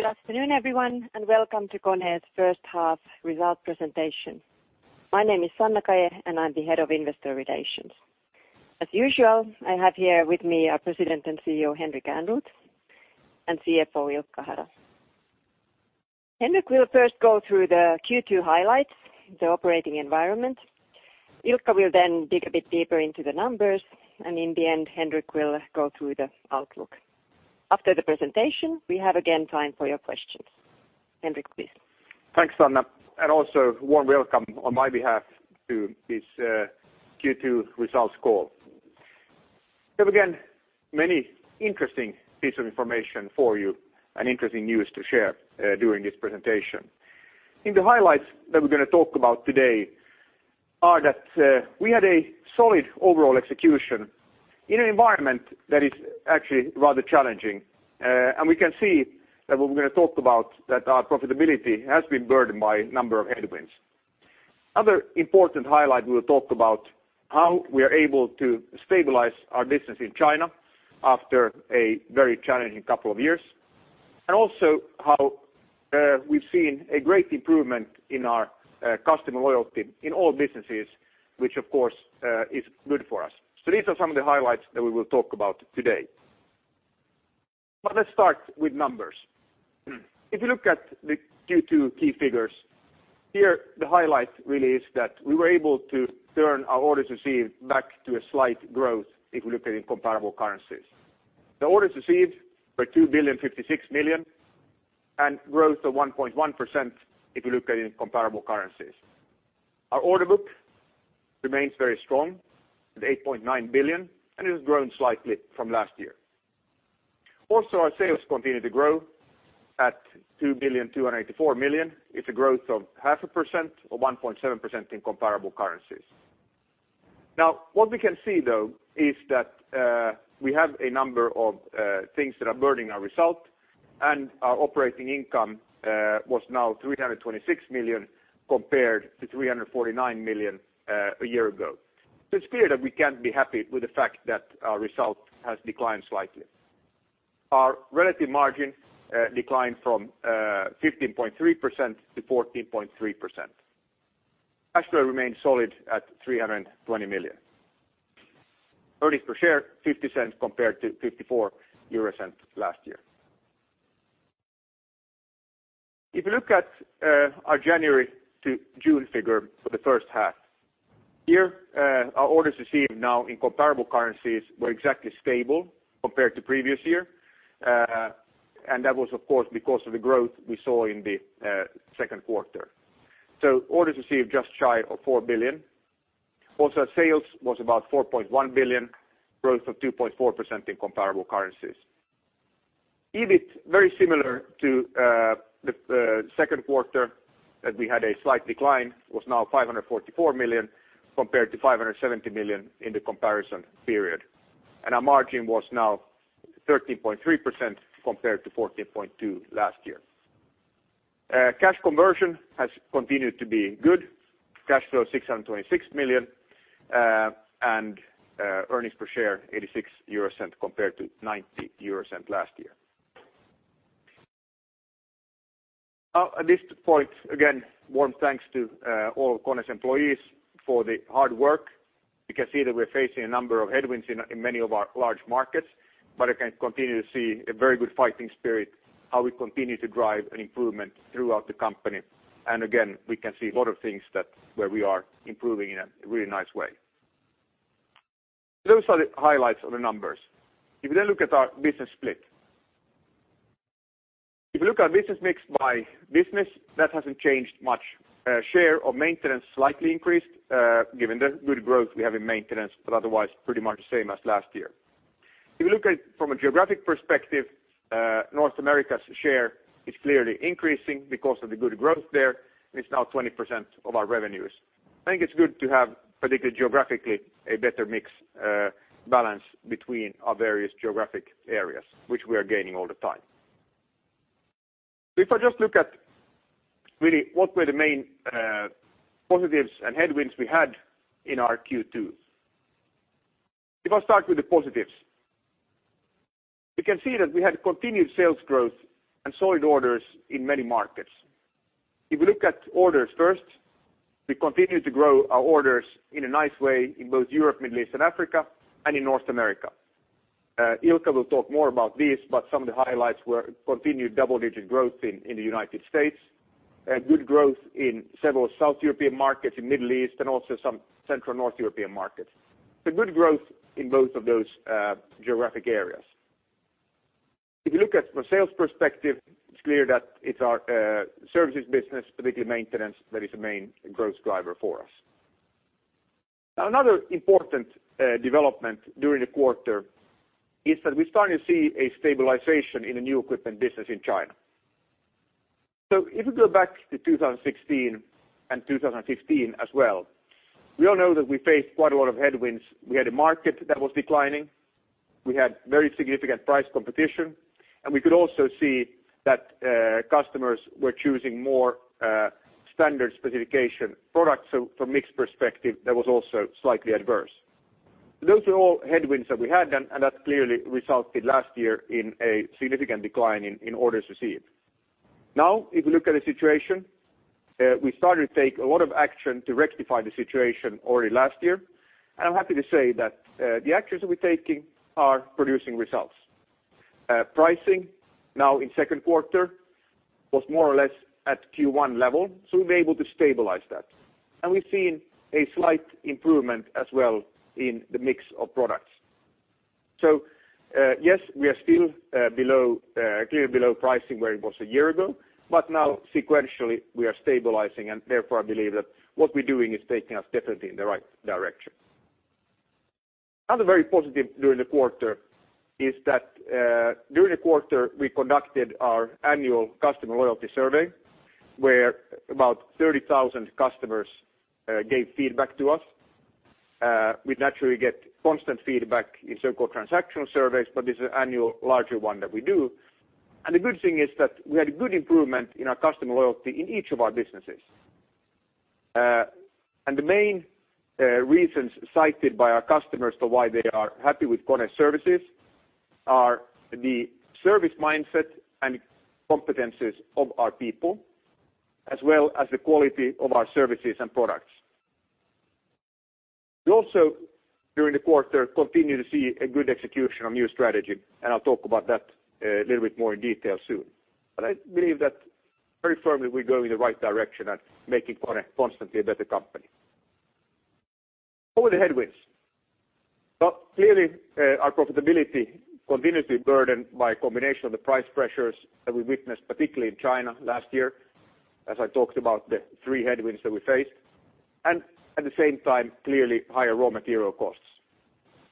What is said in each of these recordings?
Good afternoon, everyone, welcome to KONE's first half results presentation. My name is Sanna Kaje, I'm the Head of Investor Relations. As usual, I have here with me our President and CEO, Henrik Ehrnrooth, CFO, Ilkka Hara. Henrik will first go through the Q2 highlights, the operating environment. Ilkka will dig a bit deeper into the numbers, in the end, Henrik will go through the outlook. After the presentation, we have again time for your questions. Henrik, please. Thanks, Sanna. Also warm welcome on my behalf to this Q2 results call. We have again many interesting pieces of information for you interesting news to share during this presentation. I think the highlights that we're going to talk about today are that we had a solid overall execution in an environment that is actually rather challenging. We can see that what we're going to talk about, that our profitability has been burdened by a number of headwinds. Other important highlight we will talk about how we are able to stabilize our business in China after a very challenging couple of years, also how we've seen a great improvement in our customer loyalty in all businesses, which of course is good for us. These are some of the highlights that we will talk about today. Let's start with numbers. If you look at the Q2 key figures, here, the highlight really is that we were able to turn our orders received back to a slight growth if we look at it in comparable currencies. The orders received were 2.056 billion, growth of 1.1% if you look at it in comparable currencies. Our order book remains very strong at 8.9 billion, it has grown slightly from last year. Also, our sales continue to grow at 2.284 billion. It's a growth of 0.5% or 1.7% in comparable currencies. What we can see, though, is that we have a number of things that are burdening our result, our operating income was now 326 million compared to 349 million a year ago. It's clear that we can't be happy with the fact that our result has declined slightly. Our relative margin declined from 15.3% to 14.3%. Cash flow remains solid at 320 million. Earnings per share, 0.50 compared to 0.54 last year. If you look at our January to June figure for the first half, here our orders received in comparable currencies were exactly stable compared to previous year. That was, of course, because of the growth we saw in the second quarter. Orders received just shy of 4 billion. Sales was about 4.1 billion, growth of 2.4% in comparable currencies. EBIT, very similar to the second quarter that we had a slight decline, was now 544 million compared to 570 million in the comparison period. Our margin was now 13.3% compared to 14.2% last year. Cash conversion has continued to be good. Cash flow 626 million, and earnings per share 0.86 compared to 0.90 last year. At this point, again, warm thanks to all KONE's employees for the hard work. You can see that we're facing a number of headwinds in many of our large markets, but I can continue to see a very good fighting spirit, how we continue to drive an improvement throughout the company. We can see a lot of things where we are improving in a really nice way. Those are the highlights of the numbers. If you then look at our business split. If you look at our business mix by business, that hasn't changed much. Share of maintenance slightly increased given the good growth we have in maintenance, but otherwise pretty much the same as last year. If you look at it from a geographic perspective, North America's share is clearly increasing because of the good growth there, and it's now 20% of our revenues. I think it's good to have, particularly geographically, a better mix balance between our various geographic areas, which we are gaining all the time. I just look at really what were the main positives and headwinds we had in our Q2. I start with the positives. You can see that we had continued sales growth and solid orders in many markets. We look at orders first, we continued to grow our orders in a nice way in both Europe, Middle East and Africa and in North America. Ilkka will talk more about this, but some of the highlights were continued double-digit growth in the United States, good growth in several South European markets, in Middle East, and also some Central North European markets. So good growth in both of those geographic areas. You look at from a sales perspective, it's clear that it's our services business, particularly maintenance, that is the main growth driver for us. Now another important development during the quarter is that we're starting to see a stabilization in the new equipment business in China. If we go back to 2016 and 2015 as well, we all know that we faced quite a lot of headwinds. We had a market that was declining. We had very significant price competition, and we could also see that customers were choosing more standard specification products. So from mix perspective, that was also slightly adverse. Those are all headwinds that we had, and that clearly resulted last year in a significant decline in orders received. You look at the situation, we started to take a lot of action to rectify the situation already last year. And I'm happy to say that the actions we're taking are producing results. Pricing now in second quarter was more or less at Q1 level, so we were able to stabilize that. And we've seen a slight improvement as well in the mix of products. Yes, we are still clearly below pricing where it was a year ago, but now sequentially we are stabilizing and therefore, I believe that what we're doing is taking us definitely in the right direction. Another very positive during the quarter is that during the quarter, we conducted our annual customer loyalty survey, where about 30,000 customers gave feedback to us. We naturally get constant feedback in so-called transactional surveys. This is an annual larger one that we do. The good thing is that we had a good improvement in our customer loyalty in each of our businesses. The main reasons cited by our customers to why they are happy with KONE services are the service mindset and competencies of our people, as well as the quality of our services and products. We also, during the quarter, continue to see a good execution on new strategy. I'll talk about that a little bit more in detail soon. I believe very firmly we're going in the right direction at making KONE constantly a better company. What were the headwinds? Clearly, our profitability continues to be burdened by a combination of the price pressures that we witnessed, particularly in China last year, as I talked about the three headwinds that we faced. At the same time, clearly higher raw material costs.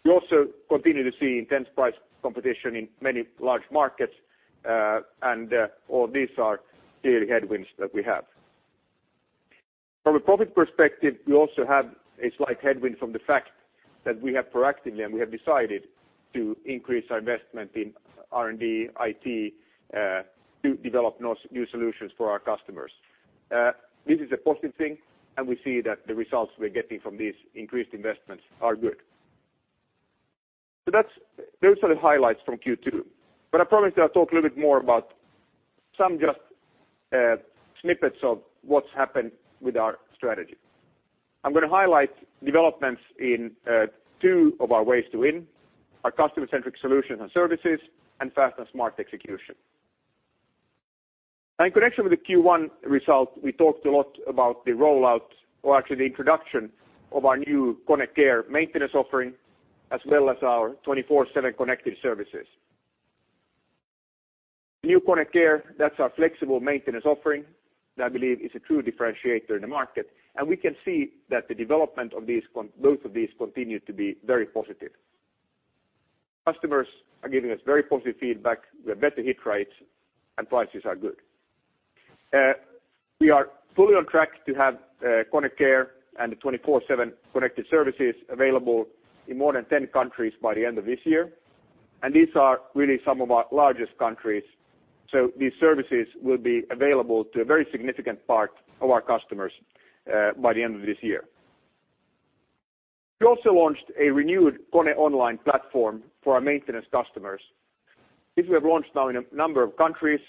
We also continue to see intense price competition in many large markets. All these are clearly headwinds that we have. From a profit perspective, we also have a slight headwind from the fact that we have proactively decided to increase our investment in R&D, IT to develop new solutions for our customers. This is a positive thing, and we see that the results we're getting from these increased investments are good. Those are the highlights from Q2. I promised I'll talk a little bit more about some snippets of what's happened with our strategy. I'm going to highlight developments in two of our ways to win, our customer-centric solutions and services, and fast and smart execution. In connection with the Q1 result, we talked a lot about the rollout or actually the introduction of our new KONE Care maintenance offering, as well as our 24/7 Connected Services. New KONE Care, that's our flexible maintenance offering that I believe is a true differentiator in the market, and we can see that the development of both of these continue to be very positive. Customers are giving us very positive feedback. We have better hit rates and prices are good. We are fully on track to have KONE Care and the 24/7 Connected Services available in more than 10 countries by the end of this year. These are really some of our largest countries. These services will be available to a very significant part of our customers by the end of this year. We also launched a renewed KONE Online platform for our maintenance customers. This we have launched now in a number of countries,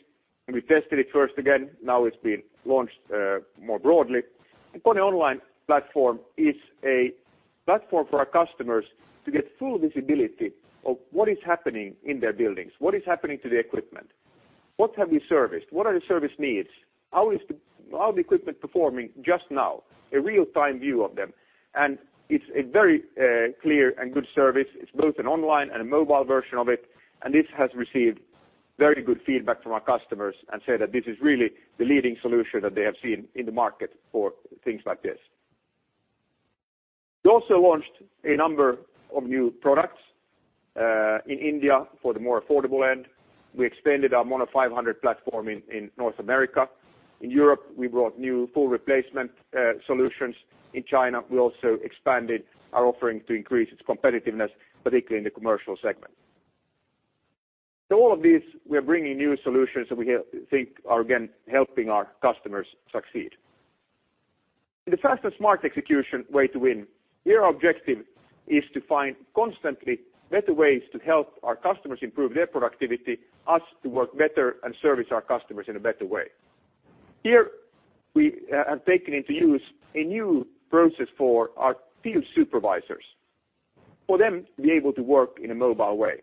and we tested it first again, now it's been launched more broadly. The KONE Online platform is a platform for our customers to get full visibility of what is happening in their buildings, what is happening to the equipment. What have we serviced? What are the service needs? How is the equipment performing just now? A real-time view of them. It's a very clear and good service. It's both an online and a mobile version of it, and this has received very good feedback from our customers and say that this is really the leading solution that they have seen in the market for things like this. We also launched a number of new products in India for the more affordable end. We expanded our Mono 500 platform in North America. In Europe, we brought new full replacement solutions. In China, we also expanded our offerings to increase its competitiveness, particularly in the commercial segment. All of these, we are bringing new solutions that we think are, again, helping our customers succeed. In the fast and smart execution way to win, here our objective is to find constantly better ways to help our customers improve their productivity, us to work better, and service our customers in a better way. Here we have taken into use a new process for our field supervisors for them to be able to work in a mobile way.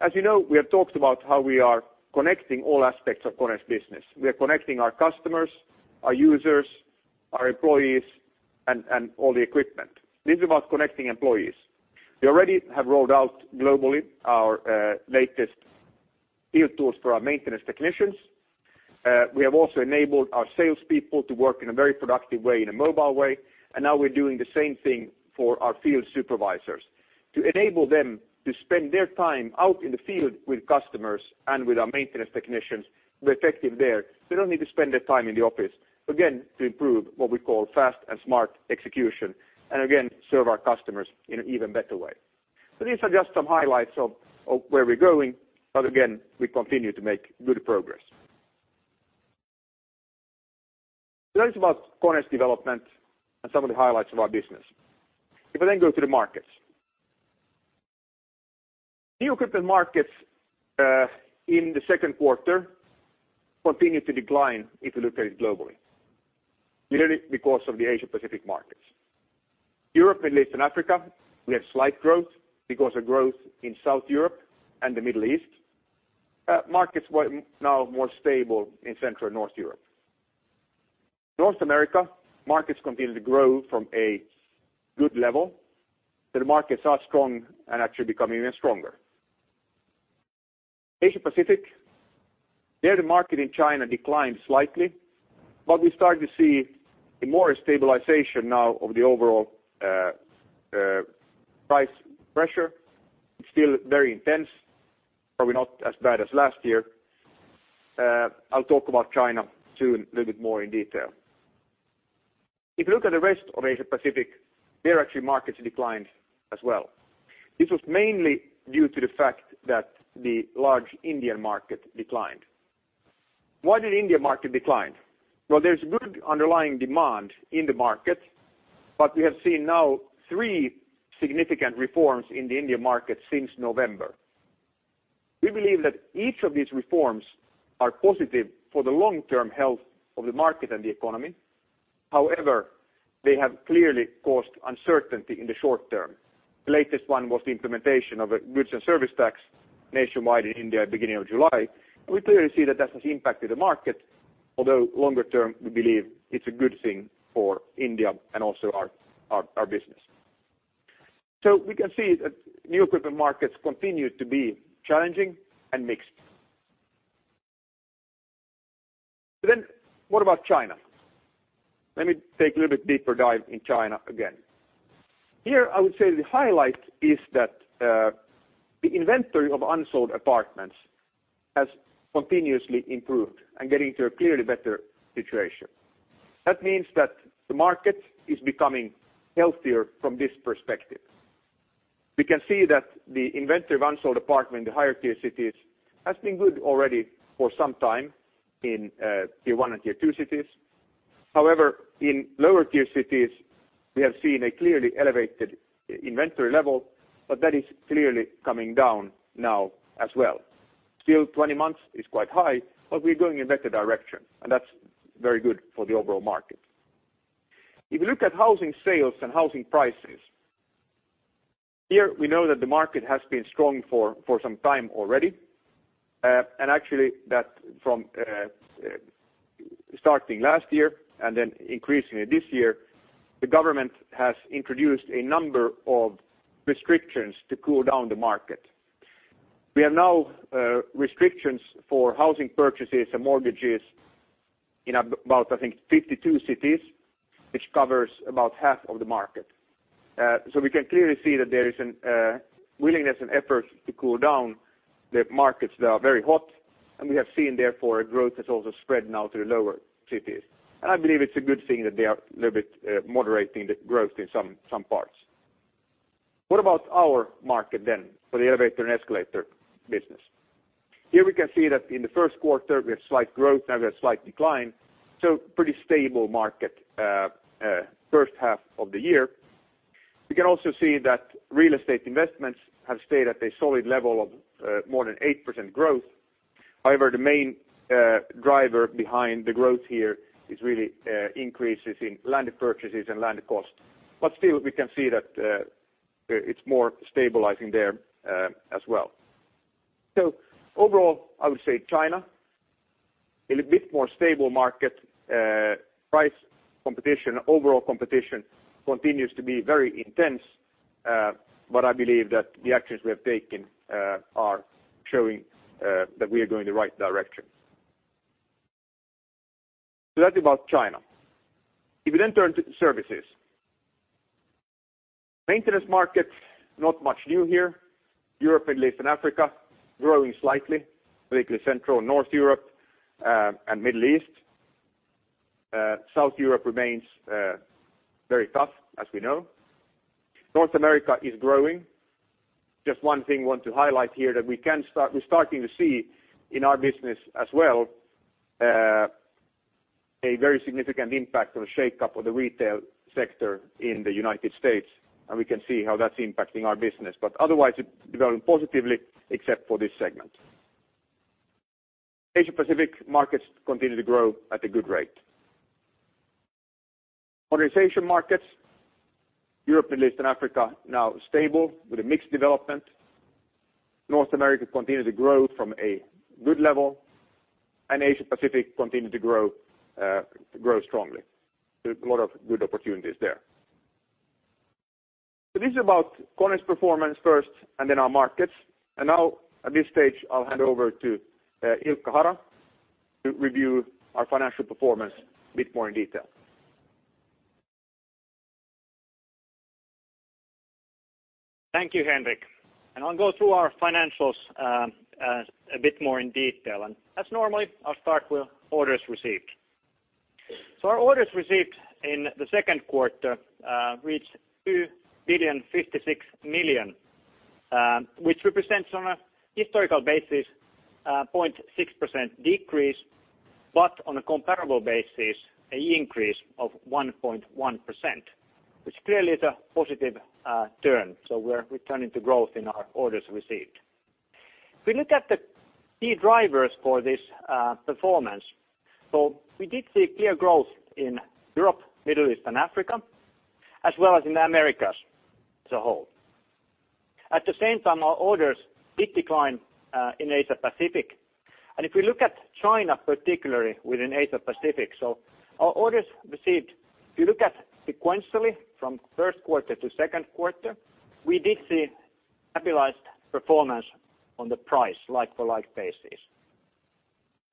As you know, we have talked about how we are connecting all aspects of KONE's business. We are connecting our customers, our users, our employees, and all the equipment. This is about connecting employees. We already have rolled out globally our latest field tools for our maintenance technicians. We have also enabled our salespeople to work in a very productive way, in a mobile way, and now we're doing the same thing for our field supervisors to enable them to spend their time out in the field with customers and with our maintenance technicians, be effective there. They don't need to spend their time in the office. Again, to improve what we call fast and smart execution, and again, serve our customers in an even better way. These are just some highlights of where we're going. Again, we continue to make good progress. That is about KONE's development and some of the highlights of our business. If I then go to the markets. New equipment markets in the second quarter continued to decline if you look at it globally, really because of the Asia-Pacific markets. Europe, Middle East, and Africa, we have slight growth because of growth in South Europe and the Middle East. Markets were now more stable in Central and North Europe. North America markets continue to grow from a good level. The markets are strong and actually becoming even stronger. Asia-Pacific, there the market in China declined slightly, but we start to see more stabilization now of the overall price pressure. It's still very intense, probably not as bad as last year. I'll talk about China soon a little bit more in detail. If you look at the rest of Asia-Pacific, there actually markets declined as well. This was mainly due to the fact that the large Indian market declined. Why did India market decline? There's good underlying demand in the market, we have seen now three significant reforms in the India market since November. We believe that each of these reforms are positive for the long-term health of the market and the economy. However, they have clearly caused uncertainty in the short term. The latest one was the implementation of a Goods and Services Tax nationwide in India at beginning of July. We clearly see that that has impacted the market, although longer term, we believe it's a good thing for India and also our business. We can see that new equipment markets continue to be challenging and mixed. What about China? Let me take a little bit deeper dive in China again. Here I would say the highlight is that the inventory of unsold apartments has continuously improved and getting to a clearly better situation. That means that the market is becoming healthier from this perspective. We can see that the inventory of unsold apartment in the higher tier cities has been good already for some time in tier 1 and tier 2 cities. However, in lower tier cities, we have seen a clearly elevated inventory level, but that is clearly coming down now as well. Still 20 months is quite high, but we're going in a better direction, and that's very good for the overall market. Actually that from starting last year and increasingly this year, the government has introduced a number of restrictions to cool down the market. We have now restrictions for housing purchases and mortgages in about, I think, 52 cities, which covers about half of the market. We can clearly see that there is a willingness and effort to cool down the markets that are very hot, and we have seen therefore a growth that's also spread now to the lower cities. I believe it's a good thing that they are a little bit moderating the growth in some parts. What about our market then for the elevator and escalator business? Here we can see that in the first quarter we have slight growth. Now we have slight decline. Pretty stable market first half of the year. We can also see that real estate investments have stayed at a solid level of more than 8% growth. However, the main driver behind the growth here is really increases in land purchases and land cost. Still, we can see that it's more stabilizing there as well. Overall, I would say China a little bit more stable market. Price competition, overall competition continues to be very intense. I believe that the actions we have taken are showing that we are going the right direction. That's about China. If you then turn to services. Maintenance market, not much new here. Europe, Middle East, and Africa growing slightly, particularly Central and North Europe, and Middle East. South Europe remains very tough as we know. North America is growing. Just one thing I want to highlight here that we're starting to see in our business as well a very significant impact of a shakeup of the retail sector in the U.S., and we can see how that's impacting our business. Otherwise, it's developing positively except for this segment. Asia-Pacific markets continue to grow at a good rate. Modernization markets, Europe, Middle East, and Africa now stable with a mixed development. North America continues to grow from a good level, and Asia-Pacific continue to grow strongly. There's a lot of good opportunities there. This is about KONE's performance first and then our markets. Now at this stage, I'll hand over to Ilkka Hara to review our financial performance a bit more in detail. Thank you, Henrik. I'll go through our financials a bit more in detail. As normally, I'll start with orders received. Our orders received in the second quarter reached 2 billion, 56 million. Which represents on a historical basis 0.6% decrease, but on a comparable basis, an increase of 1.1%, which clearly is a positive turn. We're returning to growth in our orders received. If we look at the key drivers for this performance, we did see clear growth in Europe, Middle East, and Africa, as well as in the Americas as a whole. At the same time, our orders did decline in Asia Pacific. If we look at China, particularly within Asia Pacific, our orders received, if you look at sequentially from first quarter to second quarter, we did see stabilized performance on the price like-for-like basis.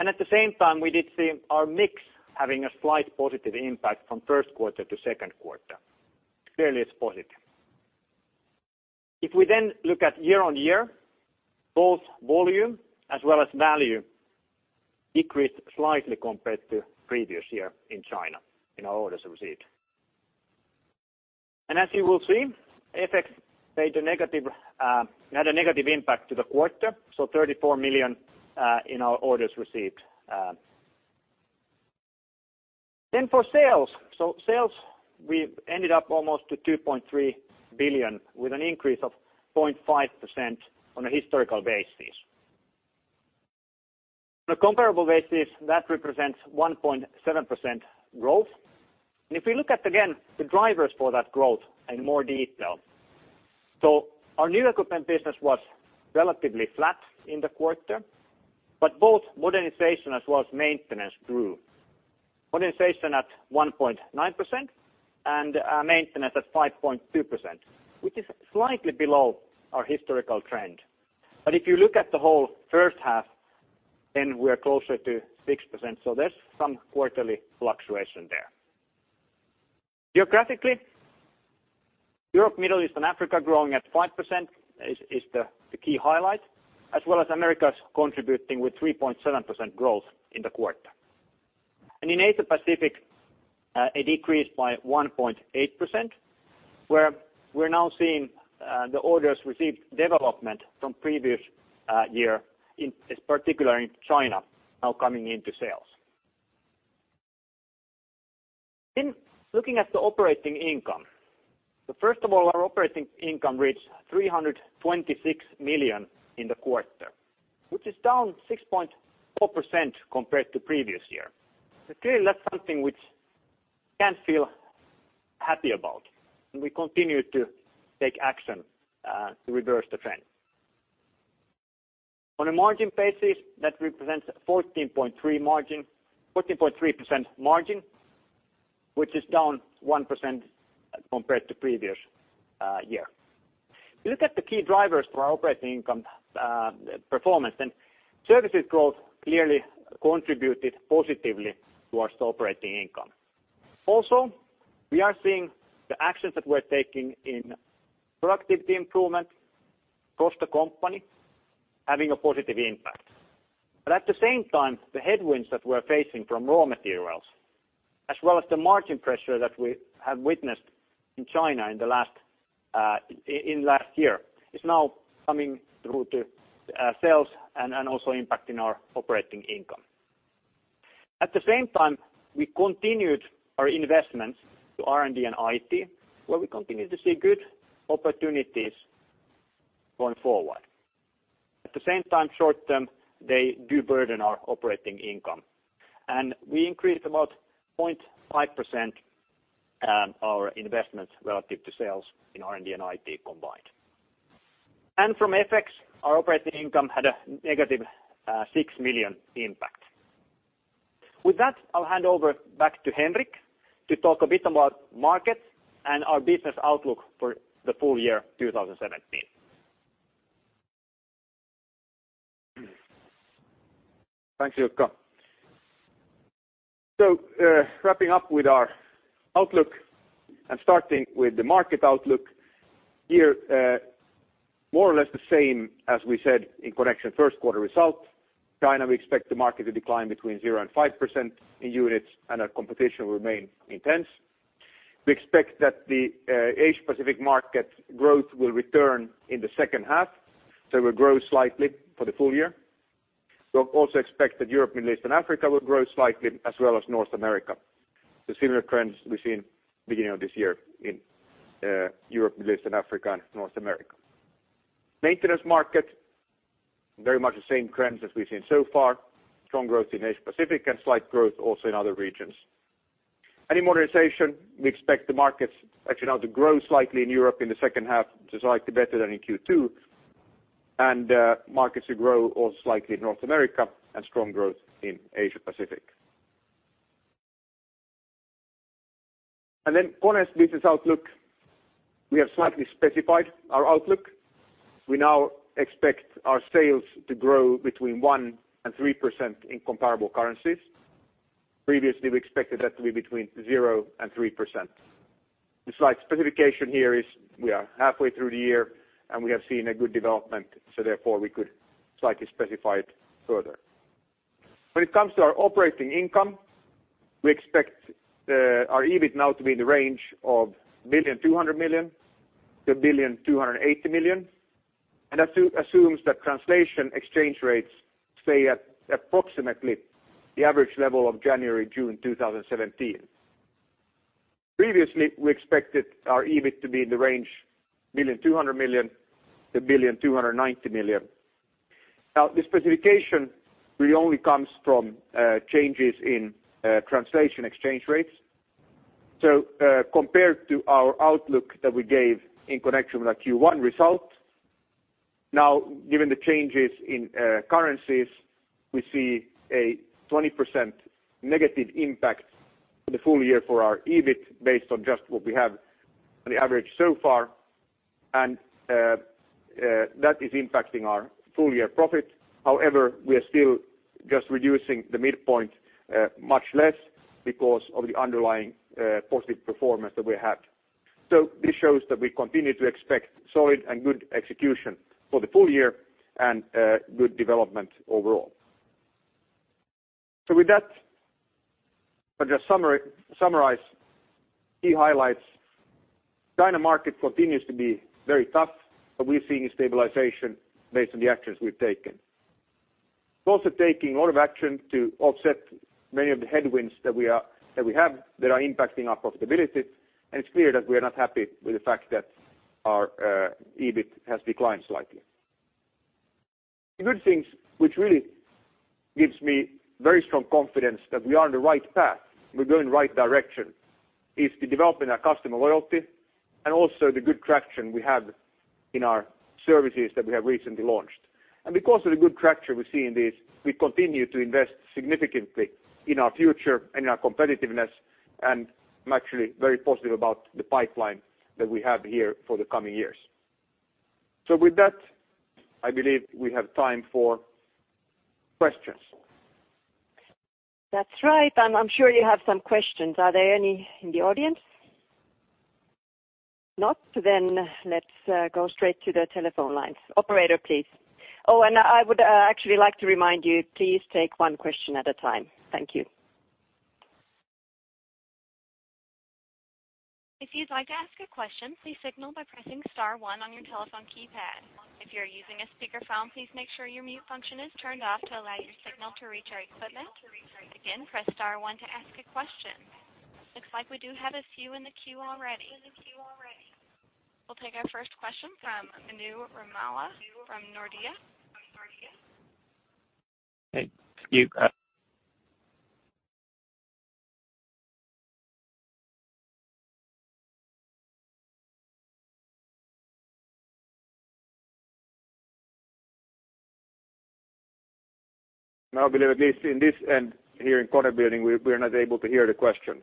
At the same time, we did see our mix having a slight positive impact from first quarter to second quarter. Clearly, it's positive. If we look at year-over-year, both volume as well as value decreased slightly compared to previous year in China in our orders received. As you will see, FX had a negative impact to the quarter, 34 million in our orders received. For sales. Sales, we've ended up almost to 2.3 billion with an increase of 0.5% on a historical basis. On a comparable basis, that represents 1.7% growth. If you look at again the drivers for that growth in more detail. Our new equipment business was relatively flat in the quarter, but both modernization as well as maintenance grew. Modernization at 1.9% and maintenance at 5.2%, which is slightly below our historical trend. If you look at the whole first half, we're closer to 6%, there's some quarterly fluctuation there. Geographically, Europe, Middle East, and Africa growing at 5% is the key highlight, as well as Americas contributing with 3.7% growth in the quarter. In Asia Pacific, a decrease by 1.8%, where we're now seeing the orders received development from previous year, particularly in China now coming into sales. Looking at the operating income. First of all, our operating income reached 326 million in the quarter, which is down 6.4% compared to previous year. Clearly, that's something which we can't feel happy about, and we continue to take action to reverse the trend. On a margin basis, that represents 14.3% margin, which is down 1% compared to previous year. If you look at the key drivers for our operating income performance, services growth clearly contributed positively towards operating income. Also, we are seeing the actions that we're taking in productivity improvement across the company having a positive impact. At the same time, the headwinds that we're facing from raw materials, as well as the margin pressure that we have witnessed in China in last year, is now coming through to sales and also impacting our operating income. At the same time, we continued our investments to R&D and IT, where we continue to see good opportunities going forward. At the same time, short term, they do burden our operating income. We increased about 0.5% our investments relative to sales in R&D and IT combined. From FX, our operating income had a negative 6 million impact. With that, I'll hand over back to Henrik to talk a bit about markets and our business outlook for the full year 2017. Thanks, Ilkka. Wrapping up with our outlook and starting with the market outlook. Here more or less the same as we said in connection first quarter result. China, we expect the market to decline between 0%-5% in units, and our competition will remain intense. We expect that the Asia Pacific market growth will return in the second half, so it will grow slightly for the full year. We also expect that Europe, Middle East, and Africa will grow slightly, as well as North America. The similar trends we've seen beginning of this year in Europe, Middle East, and Africa, and North America. Maintenance market, very much the same trends as we've seen so far. Strong growth in Asia Pacific and slight growth also in other regions. In modernization, we expect the markets actually now to grow slightly in Europe in the second half to slightly better than in Q2, and markets to grow all slightly in North America and strong growth in Asia Pacific. KONE's business outlook, we have slightly specified our outlook. We now expect our sales to grow between 1%-3% in comparable currencies. Previously, we expected that to be between 0%-3%. The slight specification here is we are halfway through the year, and we have seen a good development. Therefore, we could slightly specify it further. When it comes to our operating income, we expect our EBIT now to be in the range of 1.2 billion-1.28 billion. Assumes that translation exchange rates stay at approximately the average level of January, June 2017. Previously, we expected our EBIT to be in the range 1.2 billion-1.29 billion. Now, the specification really only comes from changes in translation exchange rates. Compared to our outlook that we gave in connection with our Q1 result, now given the changes in currencies, we see a 20 million negative impact for the full year for our EBIT based on just what we have on the average so far, and that is impacting our full-year profit. However, we are still just reducing the midpoint much less because of the underlying positive performance that we had. This shows that we continue to expect solid and good execution for the full year and good development overall. With that, I'll just summarize key highlights. China market continues to be very tough, but we're seeing stabilization based on the actions we've taken. We're also taking a lot of action to offset many of the headwinds that we have that are impacting our profitability. It's clear that we are not happy with the fact that our EBIT has declined slightly. The good things, which really gives me very strong confidence that we are on the right path, we're going the right direction, is the development of customer loyalty and also the good traction we have in our services that we have recently launched. Because of the good traction we see in this, we continue to invest significantly in our future and in our competitiveness. I'm actually very positive about the pipeline that we have here for the coming years. With that, I believe we have time for questions. That's right. I'm sure you have some questions. Are there any in the audience? None. Let's go straight to the telephone lines. Operator, please. I would actually like to remind you, please take one question at a time. Thank you. If you'd like to ask a question, please signal by pressing star one on your telephone keypad. If you're using a speakerphone, please make sure your mute function is turned off to allow your signal to reach our equipment. Again, press star one to ask a question. Looks like we do have a few in the queue already. We'll take our first question from Manu Ramala from Nordea. Hey, can you No, I believe at least in this end here in KONE building, we're not able to hear the question.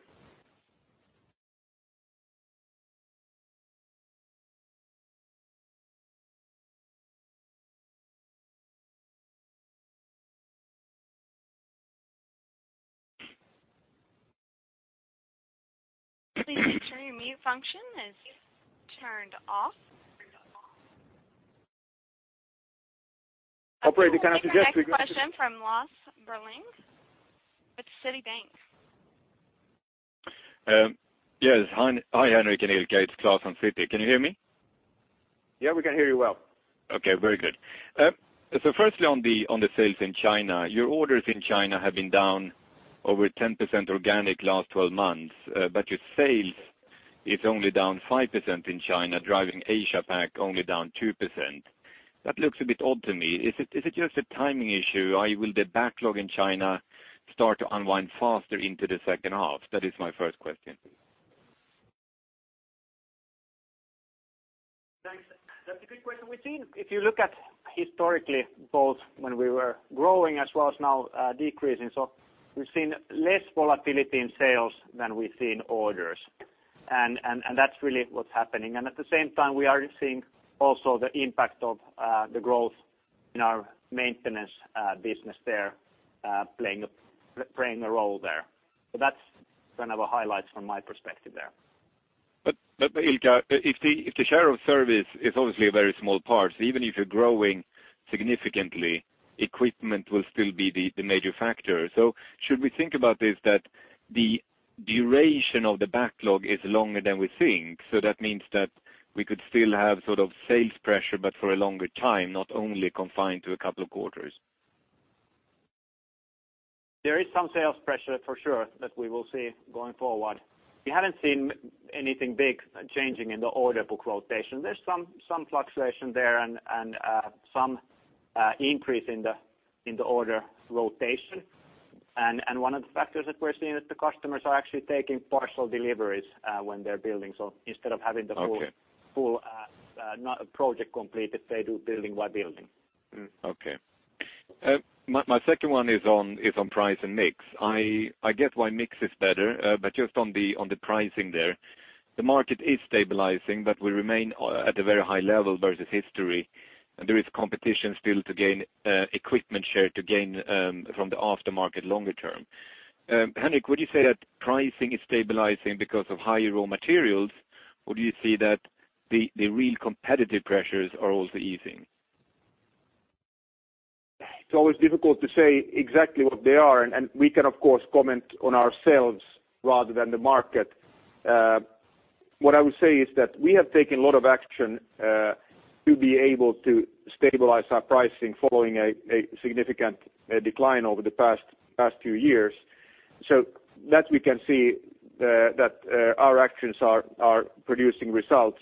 Please make sure your mute function is turned off. Operator, can I suggest we go to- Our next question from Lars Berling with Citi. Yes. Hi, Henrik and Ilkka. It's Lars from Citi. Can you hear me? Yeah, we can hear you well. Okay, very good. Firstly on the sales in China, your orders in China have been down over 10% organic last 12 months. Your sales is only down 5% in China, driving Asia-Pac only down 2%. That looks a bit odd to me. Is it just a timing issue, or will the backlog in China start to unwind faster into the second half? That is my first question. Thanks. That's a good question. If you look at historically both when we were growing as well as now decreasing. We've seen less volatility in sales than we've seen orders. That's really what's happening. At the same time, we are seeing also the impact of the growth in our maintenance business there playing a role there. That's kind of the highlights from my perspective there. Ilkka, if the share of service is obviously a very small part, so even if you're growing significantly, equipment will still be the major factor. Should we think about this, that the duration of the backlog is longer than we think? That means that we could still have sort of sales pressure but for a longer time, not only confined to a couple of quarters. There is some sales pressure for sure that we will see going forward. We haven't seen anything big changing in the order book rotation. There's some fluctuation there and some increase in the order rotation. One of the factors that we're seeing is the customers are actually taking partial deliveries when they're building. Instead of having Okay full project completed, they do building by building. Okay. My second one is on price and mix. I get why mix is better, but just on the pricing there, the market is stabilizing, but we remain at a very high level versus history. There is competition still to gain equipment share to gain from the aftermarket longer term. Henrik, would you say that pricing is stabilizing because of higher raw materials, or do you see that the real competitive pressures are also easing. It's always difficult to say exactly what they are. We can, of course, comment on ourselves rather than the market. What I would say is that we have taken a lot of action to be able to stabilize our pricing following a significant decline over the past few years. We can see that our actions are producing results.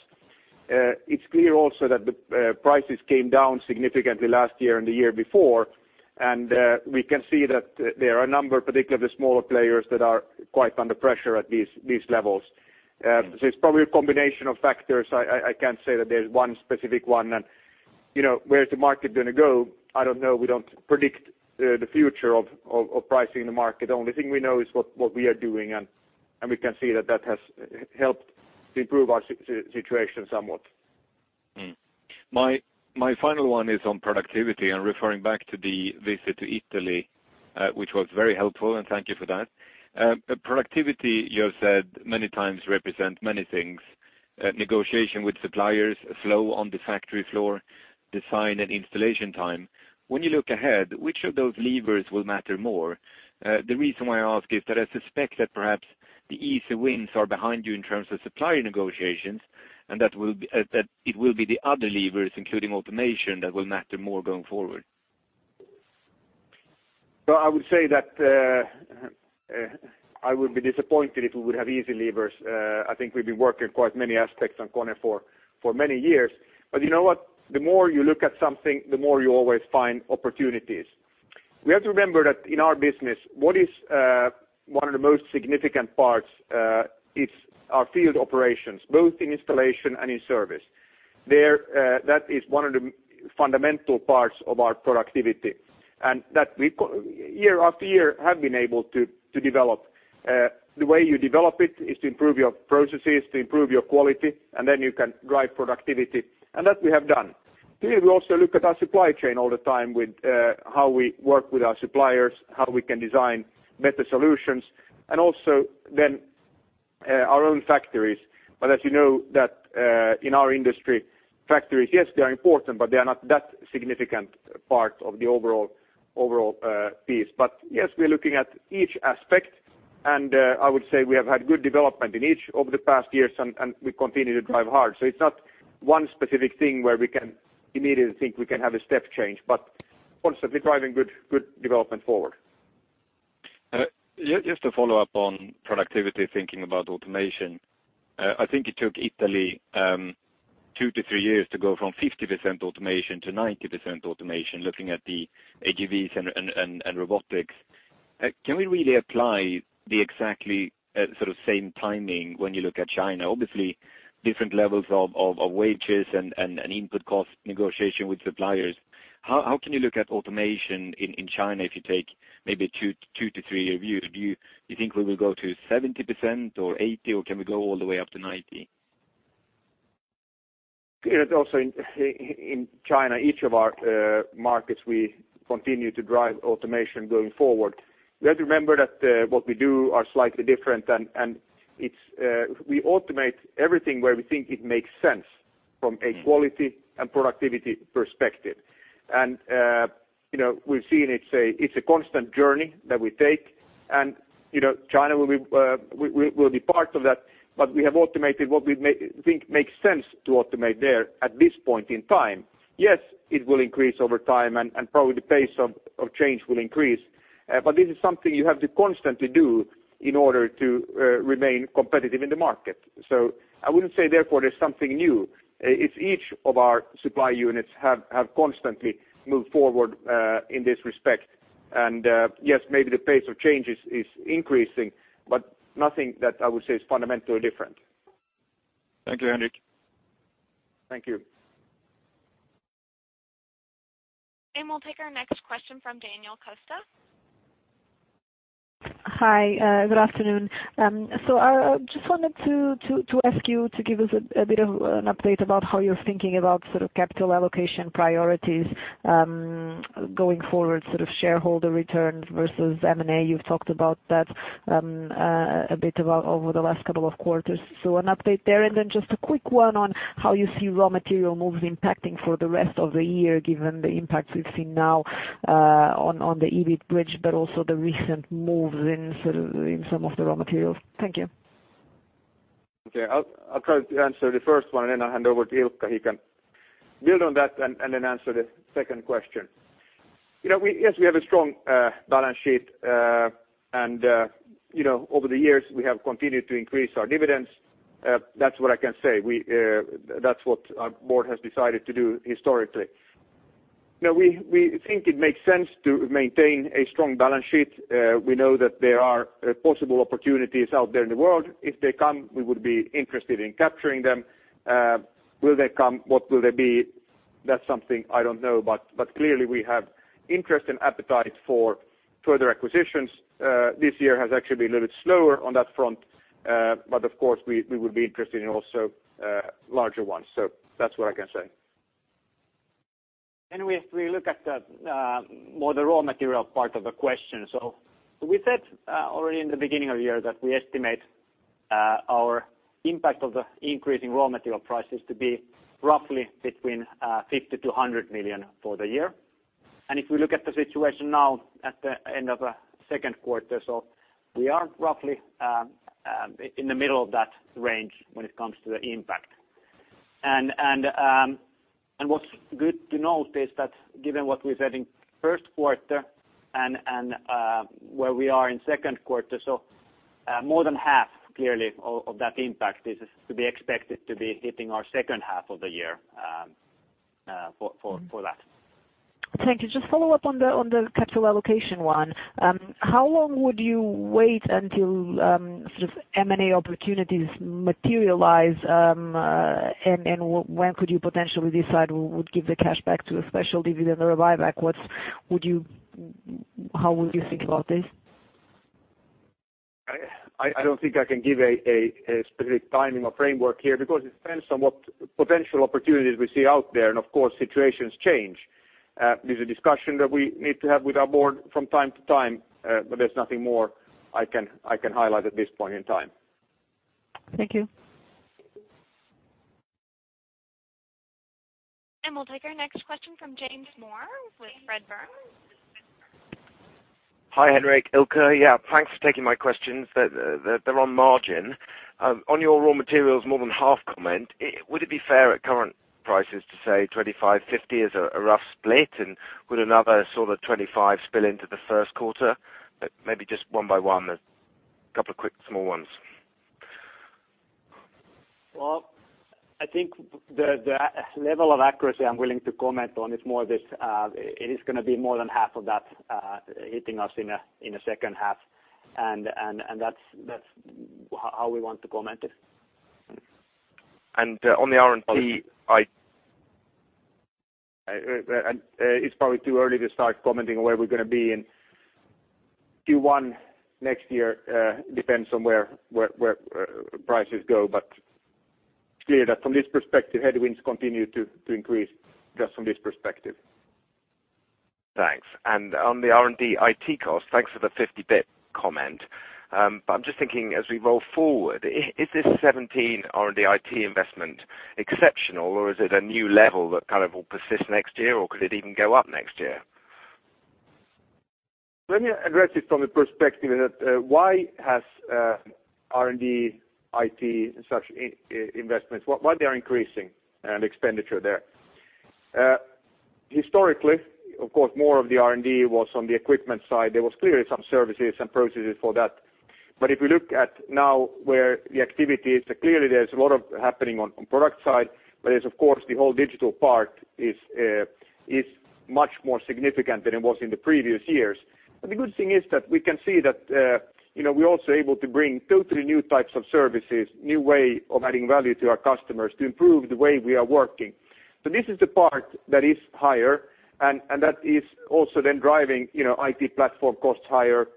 It's clear also that the prices came down significantly last year and the year before. We can see that there are a number, particularly the smaller players, that are quite under pressure at these levels. It's probably a combination of factors. I can't say that there's one specific one. Where is the market going to go? I don't know. We don't predict the future of pricing the market. The only thing we know is what we are doing. We can see that that has helped to improve our situation somewhat. My final one is on productivity. Referring back to the visit to Italy, which was very helpful. Thank you for that. Productivity, you have said many times, represents many things. Negotiation with suppliers, flow on the factory floor, design and installation time. When you look ahead, which of those levers will matter more? The reason why I ask is that I suspect that perhaps the easy wins are behind you in terms of supplier negotiations. That it will be the other levers, including automation, that will matter more going forward. I would say that I would be disappointed if we would have easy levers. I think we've been working quite many aspects on KONE for many years. You know what? The more you look at something, the more you always find opportunities. We have to remember that in our business, what is one of the most significant parts is our field operations, both in installation and in service. That is one of the fundamental parts of our productivity. That we, year after year, have been able to develop. The way you develop it is to improve your processes, to improve your quality. Then you can drive productivity. That we have done. Clearly, we also look at our supply chain all the time with how we work with our suppliers, how we can design better solutions, also then our own factories. As you know that in our industry, factories, yes, they are important, but they are not that significant part of the overall piece. Yes, we are looking at each aspect, and I would say we have had good development in each over the past years, and we continue to drive hard. It's not one specific thing where we can immediately think we can have a step change, but constantly driving good development forward. Just to follow up on productivity, thinking about automation. I think it took Italy 2-3 years to go from 50%-90% automation, looking at the AGVs and robotics. Can we really apply the exactly sort of same timing when you look at China? Obviously, different levels of wages and input cost negotiation with suppliers. How can you look at automation in China if you take maybe 2-3 years? Do you think we will go to 70% or 80%, or can we go all the way up to 90%? Clear that also in China, each of our markets, we continue to drive automation going forward. You have to remember that what we do are slightly different, and we automate everything where we think it makes sense from a quality and productivity perspective. We've seen it's a constant journey that we take, and China will be part of that, but we have automated what we think makes sense to automate there at this point in time. Yes, it will increase over time, and probably the pace of change will increase. This is something you have to constantly do in order to remain competitive in the market. I wouldn't say therefore there's something new. It's each of our supply units have constantly moved forward in this respect. Yes, maybe the pace of change is increasing, but nothing that I would say is fundamentally different. Thank you, Henrik. Thank you. We'll take our next question from Daniela Costa. Hi, good afternoon. I just wanted to ask you to give us a bit of an update about how you're thinking about capital allocation priorities going forward, shareholder returns versus M&A. You've talked about that a bit over the last couple of quarters. An update there, and then just a quick one on how you see raw material moves impacting for the rest of the year, given the impact we've seen now on the EBIT bridge, but also the recent moves in some of the raw materials. Thank you. Okay. I'll try to answer the first one, and then I'll hand over to Ilkka. He can build on that and then answer the second question. Yes, we have a strong balance sheet, and over the years, we have continued to increase our dividends. That's what I can say. That's what our board has decided to do historically. We think it makes sense to maintain a strong balance sheet. We know that there are possible opportunities out there in the world. If they come, we would be interested in capturing them. Will they come? What will they be? That's something I don't know. Clearly, we have interest and appetite for further acquisitions. This year has actually been a little bit slower on that front. Of course, we would be interested in also larger ones. That's what I can say. We look at more the raw material part of the question. We said already in the beginning of the year that we estimate our impact of the increasing raw material prices to be roughly between 50 million-100 million for the year. If we look at the situation now at the end of the second quarter, we are roughly in the middle of that range when it comes to the impact. What's good to note is that given what we said in first quarter and where we are in second quarter, more than half clearly of that impact is to be expected to be hitting our second half of the year for that. Thank you. Just follow up on the capital allocation one. How long would you wait until sort of M&A opportunities materialize, and when could you potentially decide would give the cash back to the special dividend or buyback? How would you think about this? I don't think I can give a specific timing or framework here because it depends on what potential opportunities we see out there and of course situations change. This is a discussion that we need to have with our board from time to time. There's nothing more I can highlight at this point in time. Thank you. We'll take our next question from James Moore with Redburn. Hi, Henrik, Ilkka. Yeah, thanks for taking my questions. They're on margin. On your raw materials more than half comment, would it be fair at current prices to say 25/50 is a rough split and would another sort of 25 spill into the first quarter? Maybe just one by one, a couple of quick small ones. Well, I think the level of accuracy I'm willing to comment on it's more this, it is going to be more than half of that hitting us in the second half and that's how we want to comment it. On the R&D, IT- It's probably too early to start commenting on where we're going to be in Q1 next year. Depends on where prices go. Clear that from this perspective, headwinds continue to increase just from this perspective. Thanks. On the R&D IT cost, thanks for the 50 basis points comment. I'm just thinking as we roll forward, is this 2017 R&D IT investment exceptional or is it a new level that kind of will persist next year or could it even go up next year? Let me address it from the perspective that why has R&D IT and such investments, why they are increasing and expenditure there. Historically, of course, more of the R&D was on the equipment side. There was clearly some services and processes for that. If we look at now where the activity is, clearly there's a lot of happening on product side, but there's of course the whole digital part is much more significant than it was in the previous years. The good thing is that we can see that we're also able to bring totally new types of services, new way of adding value to our customers to improve the way we are working. This is the part that is higher and that is also then driving IT platform costs higher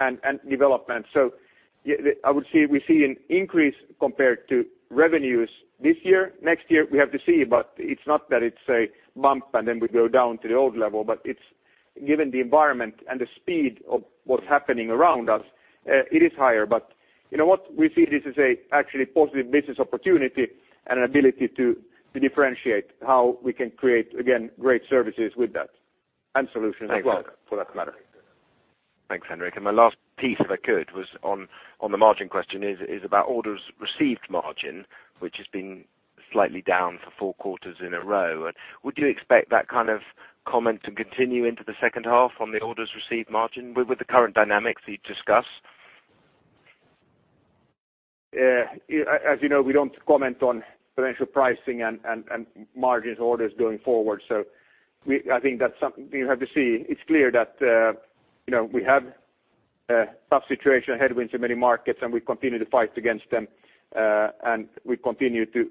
and development. I would say we see an increase compared to revenues this year. Next year we have to see, but it's not that it's a bump and then we go down to the old level, but it's given the environment and the speed of what's happening around us, it is higher. You know what? We see this as a actually positive business opportunity and an ability to differentiate how we can create, again, great services with that and solutions as well for that matter. Thanks, Henrik. My last piece, if I could, was on the margin question is about orders received margin, which has been slightly down for four quarters in a row. Would you expect that kind of comment to continue into the second half on the orders received margin with the current dynamics that you've discussed? As you know, we don't comment on potential pricing and margins orders going forward. I think that's something we have to see. It's clear that we have a tough situation, headwinds in many markets and we continue to fight against them, and we continue to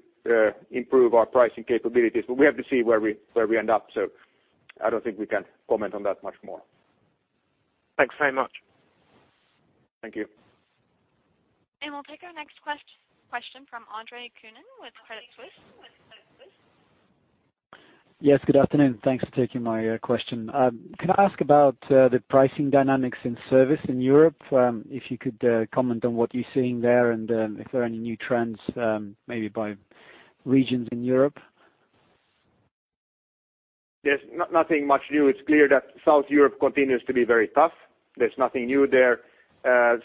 improve our pricing capabilities. We have to see where we end up. I don't think we can comment on that much more. Thanks very much. Thank you. We'll take our next question from Andre Kukhnin with Credit Suisse. Yes, good afternoon. Thanks for taking my question. Can I ask about the pricing dynamics in service in Europe? If you could comment on what you're seeing there and if there are any new trends maybe by regions in Europe. There's nothing much new. It's clear that South Europe continues to be very tough. There's nothing new there.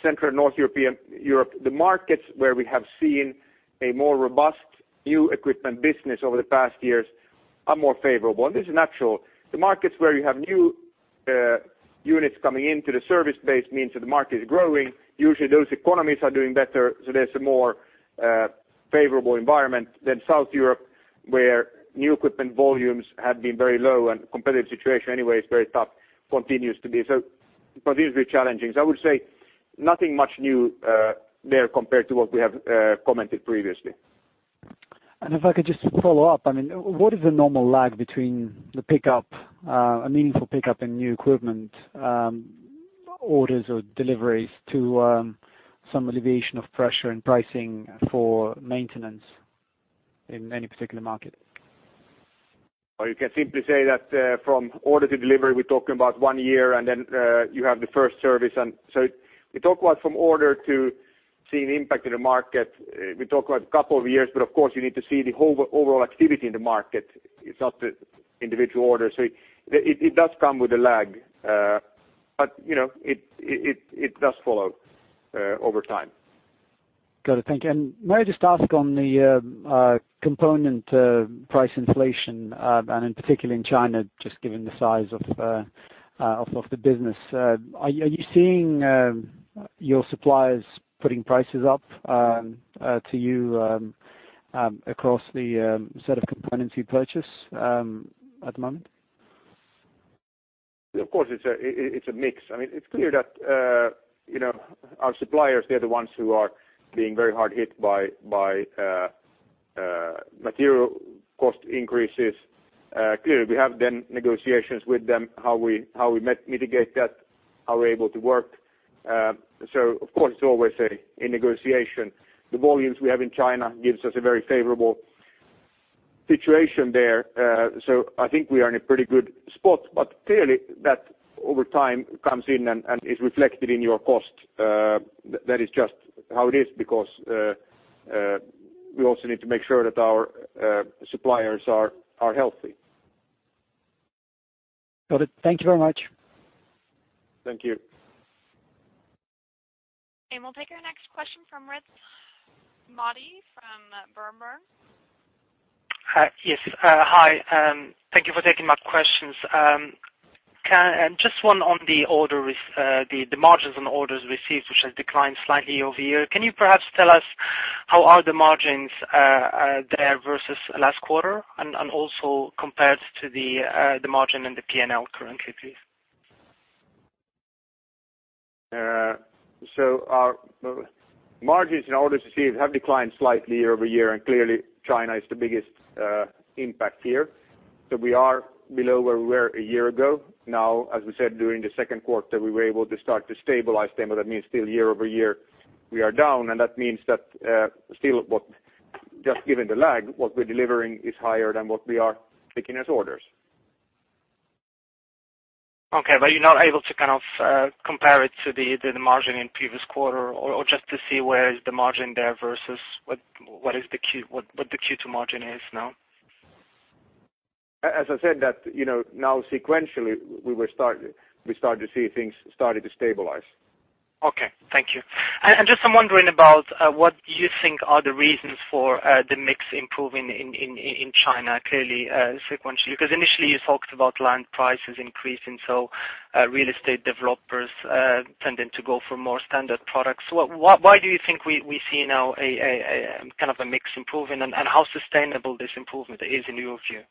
Central North Europe, the markets where we have seen a more robust new equipment business over the past years are more favorable and this is natural. The markets where you have new units coming into the service base means that the market is growing. Usually those economies are doing better, so there's a more favorable environment than South Europe where new equipment volumes have been very low and competitive situation anyway is very tough, continues to be. Continues to be challenging. I would say nothing much new there compared to what we have commented previously. If I could just follow up, I mean, what is the normal lag between the meaningful pickup in new equipment orders or deliveries to some alleviation of pressure and pricing for maintenance in any particular market? You can simply say that from order to delivery, we're talking about one year, then you have the first service. We talk about from order to seeing impact in the market. We talk about a couple of years, but of course you need to see the whole overall activity in the market. It's not the individual order. It does come with a lag. It does follow over time. Got it, thank you. May I just ask on the component price inflation, in particular in China, just given the size of the business. Are you seeing your suppliers putting prices up to you across the set of components you purchase at the moment? Of course, it's a mix. It's clear that our suppliers, they're the ones who are being very hard hit by material cost increases. Clearly, we have then negotiations with them, how we mitigate that, how we're able to work. Of course, it's always a negotiation. The volumes we have in China gives us a very favorable situation there. I think we are in a pretty good spot, but clearly that over time comes in and is reflected in your cost. That is just how it is because we also need to make sure that our suppliers are healthy. Got it. Thank you very much. Thank you. We'll take our next question from Rizk Maidi, from Berenberg. Hi. Thank you for taking my questions. Just one on the margins and orders received, which has declined slightly over here. Can you perhaps tell us how are the margins there versus last quarter and also compared to the margin and the P&L currently, please? Our margins in orders received have declined slightly year-over-year, and clearly China is the biggest impact here. We are below where we were a year ago. Now, as we said, during the second quarter, we were able to start to stabilize them, but that means still year-over-year, we are down, and that means that still, just given the lag, what we're delivering is higher than what we are taking as orders. Okay, you're not able to kind of compare it to the margin in previous quarter or just to see where is the margin there versus what the Q2 margin is now? As I said that, now sequentially, we start to see things starting to stabilize. Okay, thank you. Just I'm wondering about what you think are the reasons for the mix improving in China, clearly, sequentially. Initially you talked about land prices increasing, real estate developers tending to go for more standard products. Why do you think we see now a kind of a mix improving and how sustainable this improvement is in your view?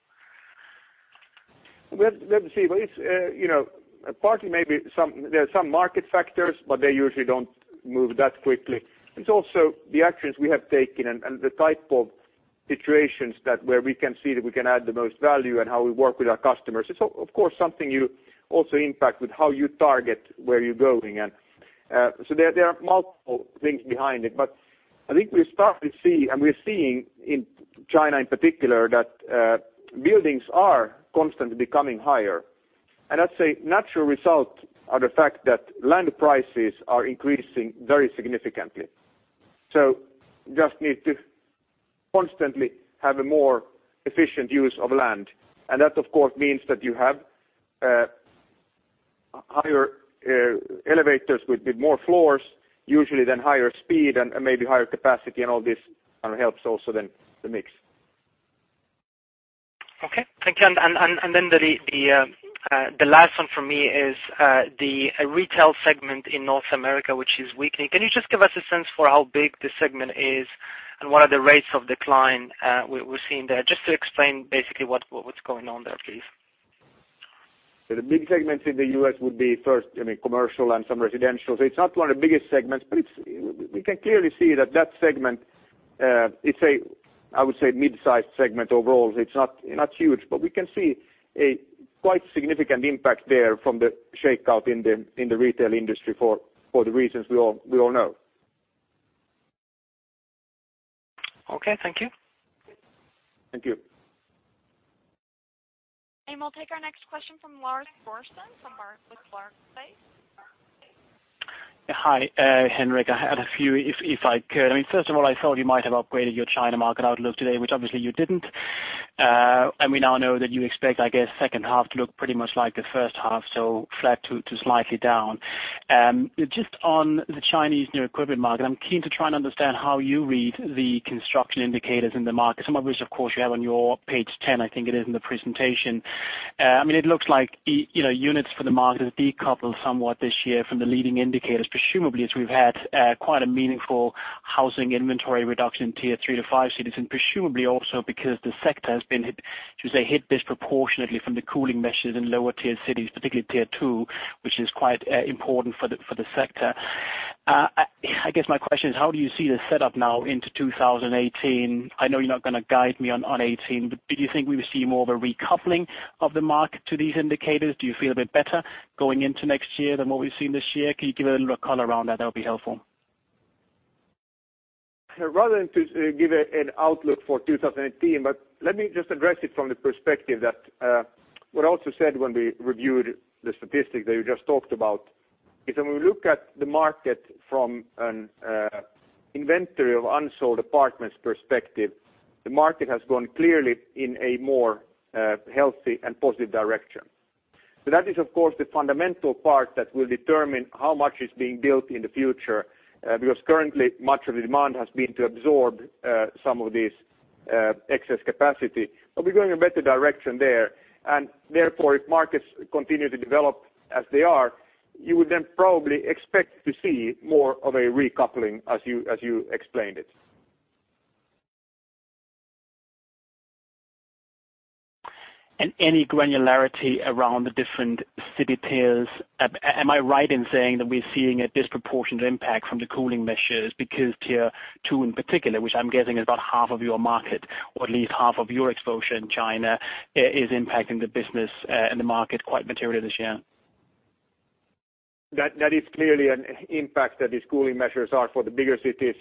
Well, let me see. Partly maybe there are some market factors, but they usually don't move that quickly. It's also the actions we have taken and the type of situations that where we can see that we can add the most value and how we work with our customers. It's of course something you also impact with how you target where you're going. There are multiple things behind it, but I think we're starting to see, and we're seeing in China in particular, that buildings are constantly becoming higher. That's a natural result of the fact that land prices are increasing very significantly. Just need to constantly have a more efficient use of land. That, of course, means that you have higher elevators with more floors, usually then higher speed and maybe higher capacity and all this helps also then the mix. Okay. Thank you. The last one from me is the retail segment in North America, which is weakening. Can you just give us a sense for how big the segment is and what are the rates of decline we're seeing there, just to explain basically what's going on there, please? The big segments in the U.S. would be first, commercial and some residential. It's not one of the biggest segments, but we can clearly see that that segment is a, I would say, mid-sized segment overall. It's not huge, but we can see a quite significant impact there from the shakeout in the retail industry for the reasons we all know. Okay, thank you. Thank you. We'll take our next question from Lars Brorson with Barclays. Hi, Henrik. I had a few, if I could. First of all, I thought you might have upgraded your China market outlook today, which obviously you didn't. We now know that you expect, I guess, second half to look pretty much like the first half, so flat to slightly down. Just on the Chinese new equipment market, I'm keen to try and understand how you read the construction indicators in the market, some of which, of course, you have on your page 10, I think it is, in the presentation. It looks like units for the market has decoupled somewhat this year from the leading indicators, presumably as we've had quite a meaningful housing inventory reduction tier 3 to 5 cities, and presumably also because the sector has been hit, should say hit disproportionately from the cooling measures in lower tier cities, particularly tier 2, which is quite important for the sector. I guess my question is, how do you see the setup now into 2018? I know you're not going to guide me on 2018, but do you think we will see more of a recoupling of the market to these indicators? Do you feel a bit better going into next year than what we've seen this year? Can you give a little color around that? That would be helpful. Rather than to give an outlook for 2018, let me just address it from the perspective that what I also said when we reviewed the statistics that you just talked about, is when we look at the market from an inventory of unsold apartments perspective, the market has gone clearly in a more healthy and positive direction. That is of course, the fundamental part that will determine how much is being built in the future. Currently, much of the demand has been to absorb some of this excess capacity. We're going in a better direction there, and therefore, if markets continue to develop as they are, you would then probably expect to see more of a recoupling as you explained it. Any granularity around the different city tiers. Am I right in saying that we're seeing a disproportionate impact from the cooling measures because tier 2 in particular, which I'm guessing is about half of your market, or at least half of your exposure in China, is impacting the business and the market quite materially this year? That is clearly an impact that these cooling measures are for the bigger cities.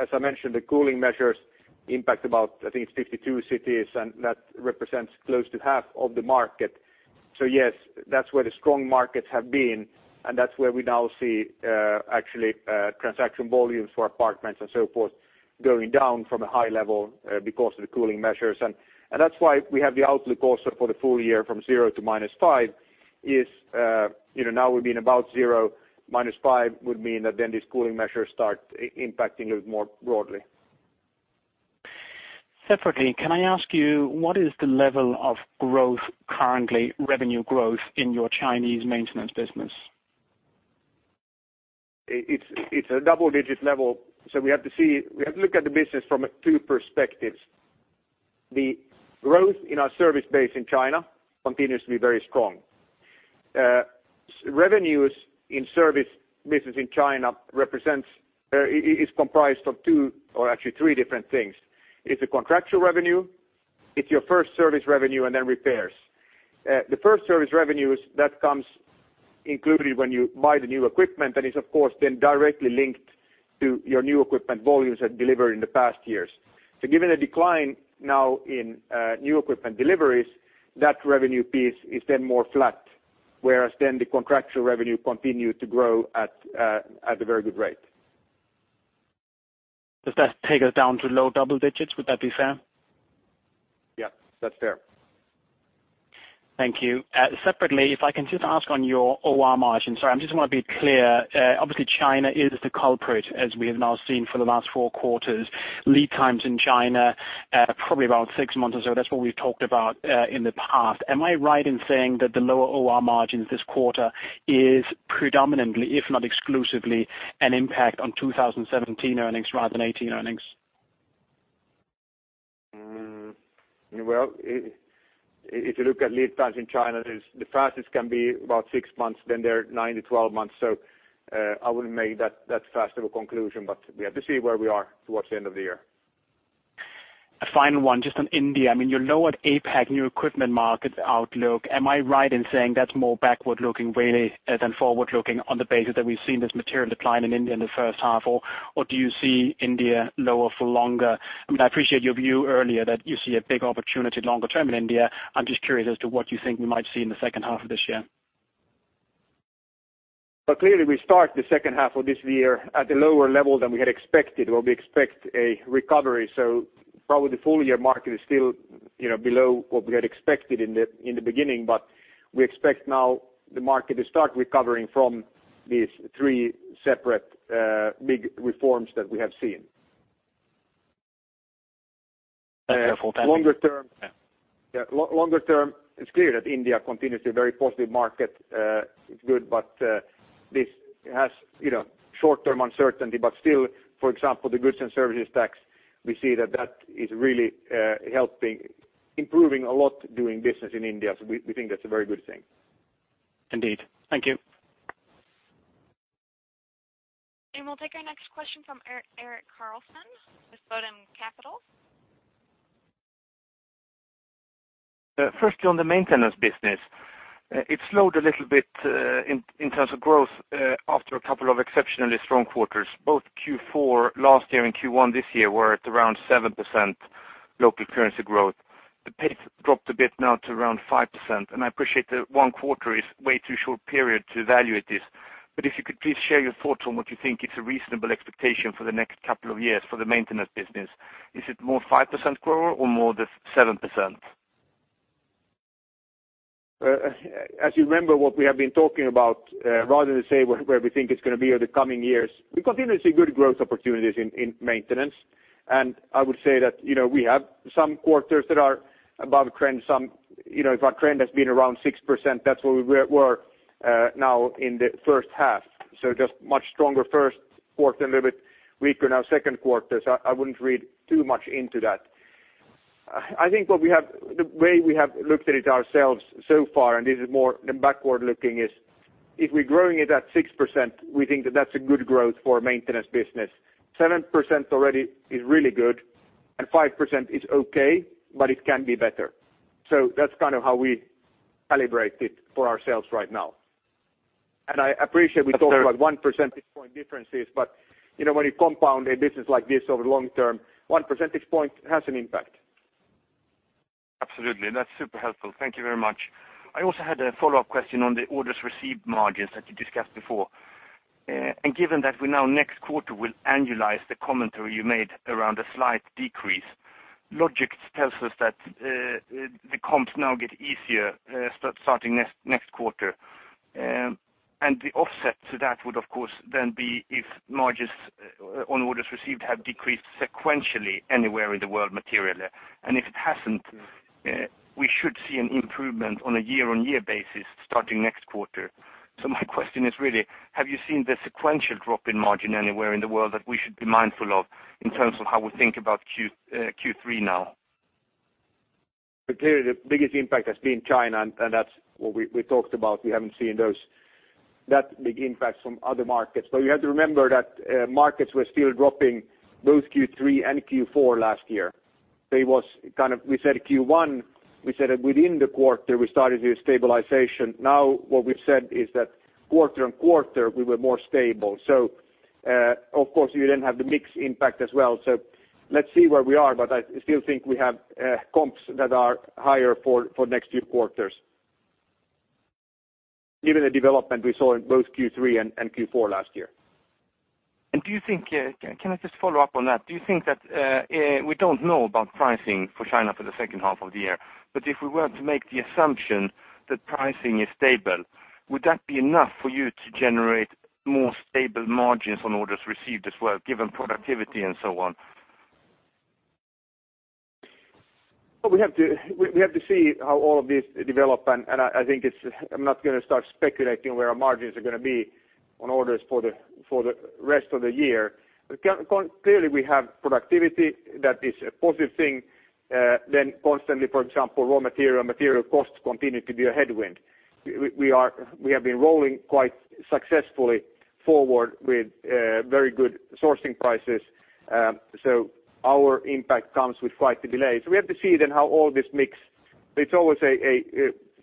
As I mentioned, the cooling measures impact about, I think it's 52 cities, and that represents close to half of the market. Yes, that's where the strong markets have been, and that's where we now see actually transaction volumes for apartments and so forth, going down from a high level because of the cooling measures. That's why we have the outlook also for the full year from 0 to -5 is. Now we've been about 0. -5 would mean that these cooling measures start impacting a little more broadly. Separately, can I ask you, what is the level of growth currently, revenue growth in your Chinese maintenance business? It's a double-digit level. We have to look at the business from two perspectives. The growth in our service base in China continues to be very strong. Revenues in service business in China is comprised of two or actually three different things. It's a contractual revenue. It's your first service revenue and repairs. The first service revenues that comes included when you buy the new equipment and is of course directly linked to your new equipment volumes that delivered in the past years. Given a decline now in new equipment deliveries, that revenue piece is more flat, whereas the contractual revenue continued to grow at a very good rate. Does that take us down to low double digits? Would that be fair? Yeah, that's fair. Thank you. Separately, if I can just ask on your Operating margin. Sorry, I just want to be clear. Obviously, China is the culprit, as we have now seen for the last four quarters. Lead times in China, probably about six months or so. That's what we've talked about in the past. Am I right in saying that the lower Operating margins this quarter is predominantly, if not exclusively, an impact on 2017 earnings rather than 2018 earnings? If you look at lead times in China, the fastest can be about six months, then they're nine to 12 months. I wouldn't make that fast of a conclusion, but we have to see where we are towards the end of the year. A final one, just on India. You lowered APAC new equipment markets outlook. Am I right in saying that's more backward-looking really than forward-looking on the basis that we've seen this material decline in India in the first half? Do you see India lower for longer? I appreciate your view earlier that you see a big opportunity longer term in India. I'm just curious as to what you think we might see in the second half of this year. Clearly, we start the second half of this year at a lower level than we had expected, or we expect a recovery. Probably the full year market is still below what we had expected in the beginning. We expect now the market to start recovering from these three separate big reforms that we have seen. That's helpful. Thank you. Longer term, it's clear that India continues to a very positive market. It's good, but this has short-term uncertainty. Still, for example, the Goods and Services Tax, we see that that is really helping improving a lot doing business in India. We think that's a very good thing. Indeed. Thank you. We'll take our next question from Erik Karlsson with Bodenholm Capital. Firstly, on the maintenance business. It slowed a little bit in terms of growth after a couple of exceptionally strong quarters. Both Q4 last year and Q1 this year were at around 7% local currency growth. The pace dropped a bit now to around 5%. I appreciate that one quarter is way too short period to evaluate this. If you could please share your thoughts on what you think is a reasonable expectation for the next couple of years for the maintenance business. Is it more 5% growth or more the 7%? As you remember what we have been talking about, rather than say where we think it's going to be over the coming years, we continuously see good growth opportunities in maintenance. I would say that we have some quarters that are above trend. If our trend has been around 6%, that's where we were now in the first half. Just much stronger first quarter and a little bit weaker now second quarter. I wouldn't read too much into that. I think the way we have looked at it ourselves so far, and this is more than backward-looking, is if we're growing it at 6%, we think that that's a good growth for a maintenance business. 7% already is really good and 5% is okay, but it can be better. That's kind of how we calibrate it for ourselves right now. I appreciate we talk about one percentage point differences, but when you compound a business like this over the long term, one percentage point has an impact. Absolutely. That's super helpful. Thank you very much. I also had a follow-up question on the orders received margins that you discussed before. Given that we now next quarter will annualize the commentary you made around a slight decrease, logic tells us that the comps now get easier starting next quarter. The offset to that would, of course, then be if margins on orders received have decreased sequentially anywhere in the world materially. If it hasn't, we should see an improvement on a year-on-year basis starting next quarter. My question is really, have you seen the sequential drop in margin anywhere in the world that we should be mindful of in terms of how we think about Q3 now? Clearly, the biggest impact has been China, and that's what we talked about. We haven't seen that big impact from other markets. You have to remember that markets were still dropping both Q3 and Q4 last year. We said Q1, we said that within the quarter, we started to see a stabilization. What we've said is that quarter-on-quarter, we were more stable. Of course, you then have the mix impact as well. Let's see where we are, but I still think we have comps that are higher for next few quarters. Given the development we saw in both Q3 and Q4 last year. Can I just follow up on that? We don't know about pricing for China for the second half of the year, but if we were to make the assumption that pricing is stable, would that be enough for you to generate more stable margins on orders received as well, given productivity and so on? We have to see how all of this develop, I'm not going to start speculating where our margins are going to be on orders for the rest of the year. Clearly, we have productivity that is a positive thing. Constantly, for example, raw material costs continue to be a headwind. We have been rolling quite successfully forward with very good sourcing prices. Our impact comes with quite the delay. We have to see how all this mix. It's always a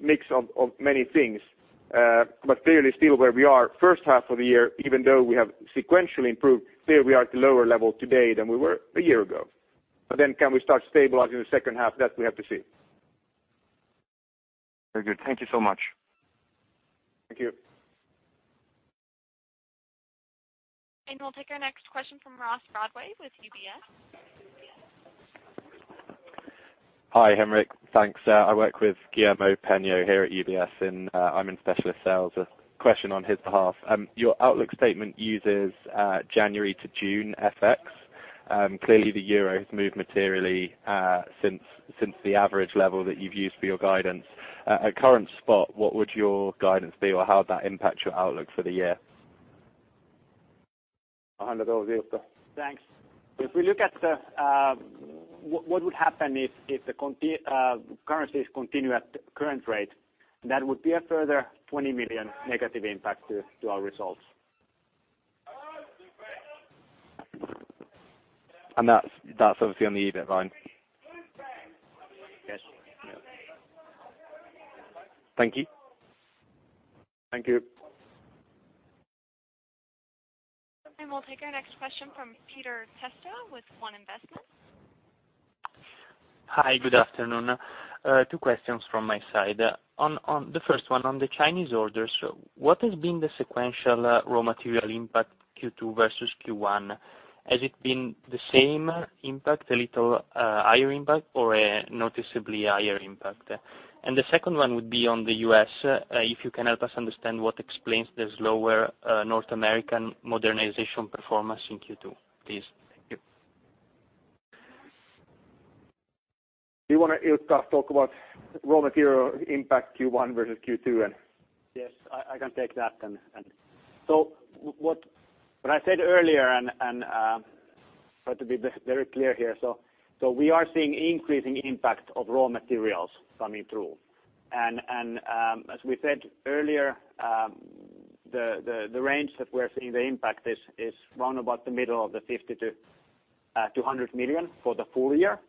mix of many things. Clearly still where we are first half of the year, even though we have sequentially improved, clearly we are at a lower level today than we were a year ago. Can we start stabilizing the second half? That we have to see. Very good. Thank you so much. Thank you. We'll take our next question from Ross Broadway with UBS. Hi, Henrik. Thanks. I work with Guillermo Peigneux-Lojo here at UBS, and I'm in specialist sales. A question on his behalf. Your outlook statement uses January to June FX. Clearly the euro has moved materially since the average level that you've used for your guidance. At current spot, what would your guidance be or how would that impact your outlook for the year? 100% sure. Thanks. If we look at what would happen if the currencies continue at current rate, that would be a further 20 million negative impact to our results. That's obviously on the EBIT line? Yes. Thank you. Thank you. We'll take our next question from Peter Testa with One Investment. Hi, good afternoon. Two questions from my side. The first one on the Chinese orders, what has been the sequential raw material impact Q2 versus Q1? Has it been the same impact, a little higher impact, or a noticeably higher impact? The second one would be on the U.S., if you can help us understand what explains the slower North American modernization performance in Q2, please. Thank you. Do you want to, Ilkka, talk about raw material impact Q1 versus Q2? Yes, I can take that then. What I said earlier, to be very clear here. We are seeing increasing impact of raw materials coming through. As we said earlier, the range that we're seeing the impact is around about the middle of the 50 million-200 million for the full year.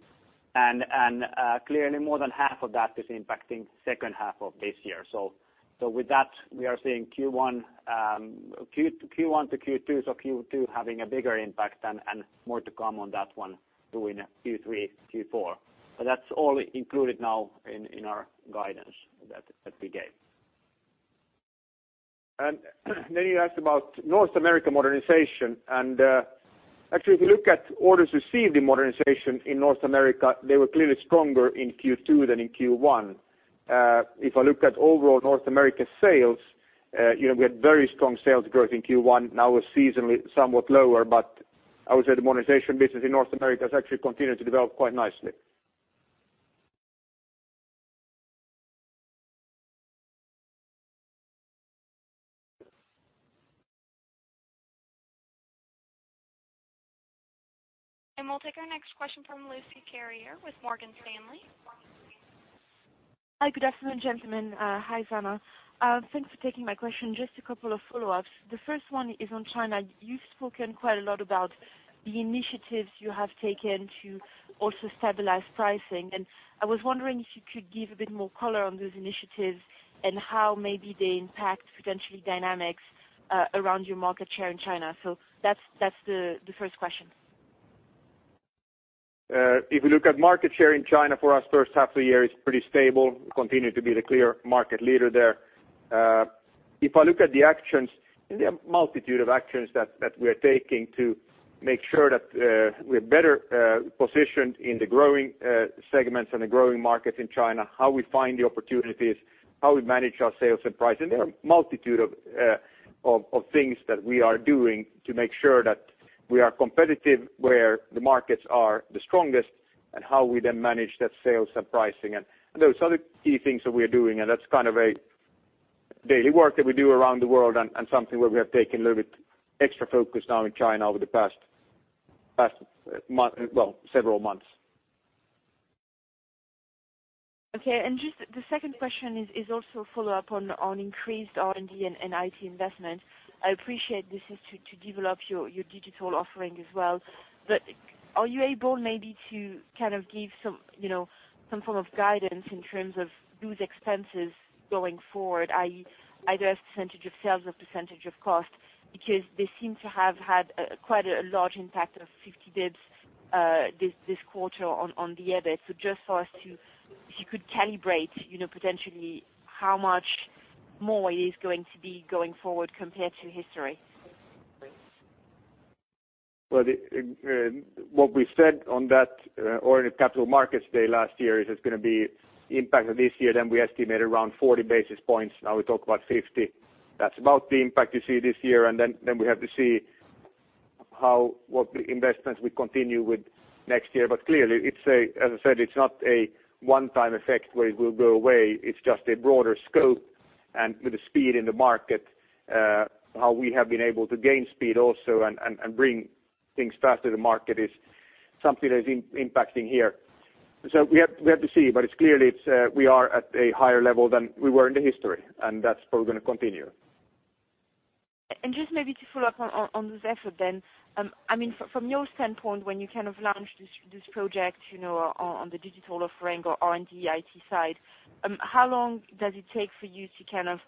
Clearly more than half of that is impacting second half of this year. With that, we are seeing Q1 to Q2 having a bigger impact and more to come on that one during Q3, Q4. That's all included now in our guidance that we gave. You asked about North America modernization. Actually, if you look at orders received in modernization in North America, they were clearly stronger in Q2 than in Q1. If I look at overall North America sales, we had very strong sales growth in Q1. Now we're seasonally somewhat lower, but I would say the modernization business in North America has actually continued to develop quite nicely. We'll take our next question from Lucie Carrier with Morgan Stanley. Hi, good afternoon, gentlemen. Hi, Sanna. Thanks for taking my question. Just a couple of follow-ups. The first one is on China. You've spoken quite a lot about the initiatives you have taken to also stabilize pricing, and I was wondering if you could give a bit more color on those initiatives and how maybe they impact potential dynamics around your market share in China. That's the first question. If you look at market share in China for us, first half of the year, it's pretty stable. We continue to be the clear market leader there. If I look at the actions, there are a multitude of actions that we are taking to make sure that we're better positioned in the growing segments and the growing markets in China, how we find the opportunities, how we manage our sales and pricing. There are a multitude of things that we are doing to make sure that we are competitive where the markets are the strongest and how we then manage that sales and pricing and those other key things that we are doing and that's kind of a daily work that we do around the world and something where we have taken a little bit extra focus now in China over the past several months. Okay. Just the second question is also a follow-up on increased R&D and IT investment. I appreciate this is to develop your digital offering as well, but are you able maybe to give some form of guidance in terms of those expenses going forward, either as percentage of sales or percentage of cost? Because they seem to have had quite a large impact of 50 basis points this quarter on the EBIT. If you could calibrate potentially how much more it is going to be going forward compared to history. What we said on that, or in the Capital Markets Day last year, is it's going to be impact of this year, then we estimate around 40 basis points. Now we talk about 50. That's about the impact you see this year. Then we have to see what investments we continue with next year. Clearly as I said, it's not a one-time effect where it will go away. It's just a broader scope and with the speed in the market, how we have been able to gain speed also and bring things faster to the market is something that is impacting here. We have to see, clearly, we are at a higher level than we were in the history, and that's probably going to continue. Just maybe to follow up on those effort. From your standpoint, when you kind of launch this project on the digital offering or R&D, IT side, how long does it take for you to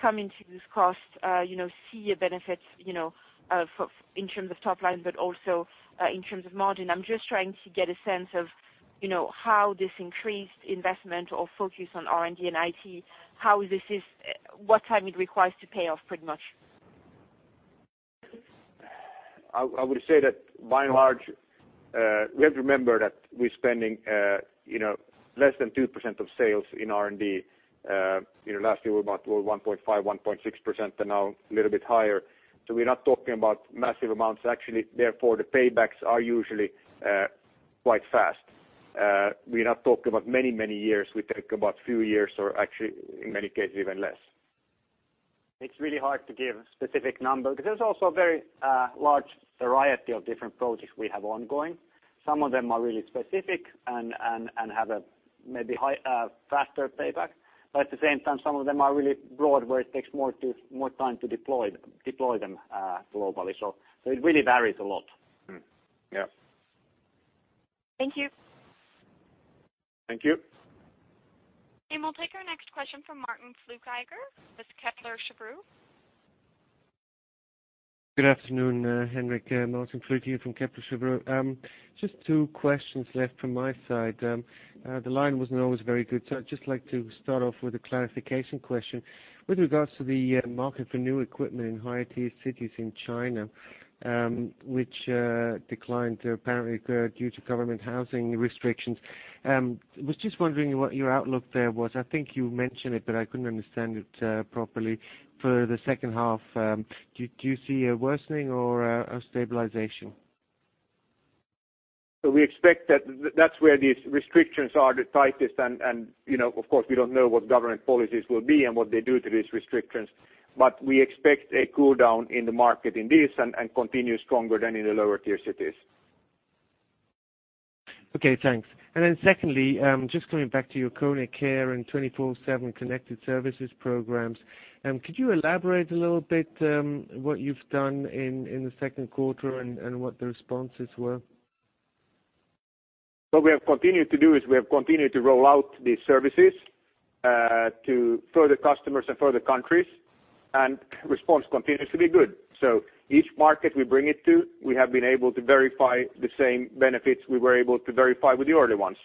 come into this cost, see your benefits in terms of top line, but also in terms of operating margin? I'm just trying to get a sense of how this increased investment or focus on R&D and IT, what time it requires to pay off pretty much. I would say that by and large, we have to remember that we're spending less than 2% of sales in R&D. Last year, we were about 1.5%, 1.6%, and now a little bit higher. We're not talking about massive amounts actually. Therefore, the paybacks are usually quite fast. We're not talking about many years. We take about few years or actually in many cases, even less. It's really hard to give a specific number because there's also a very large variety of different projects we have ongoing. Some of them are really specific and have maybe a faster payback. At the same time, some of them are really broad where it takes more time to deploy them globally. It really varies a lot. Yes. Thank you. Thank you. We'll take our next question from Martin Flueckiger with Kepler Cheuvreux. Good afternoon, Henrik and Martin Flueckiger from Kepler Cheuvreux. Just two questions left from my side. The line wasn't always very good, so I'd just like to start off with a clarification question with regards to the market for new equipment in higher tier cities in China, which declined apparently due to government housing restrictions. I was just wondering what your outlook there was. I think you mentioned it, but I couldn't understand it properly for the second half. Do you see a worsening or a stabilization? We expect that that's where these restrictions are the tightest and of course, we don't know what government policies will be and what they do to these restrictions. We expect a cool down in the market in this and continue stronger than in the lower tier cities. Okay, thanks. Secondly, just coming back to your KONE Care and 24/7 Connected Services programs. Could you elaborate a little bit what you've done in the second quarter and what the responses were? What we have continued to do is we have continued to roll out these services to further customers and further countries. Response continues to be good. Each market we bring it to, we have been able to verify the same benefits we were able to verify with the earlier ones.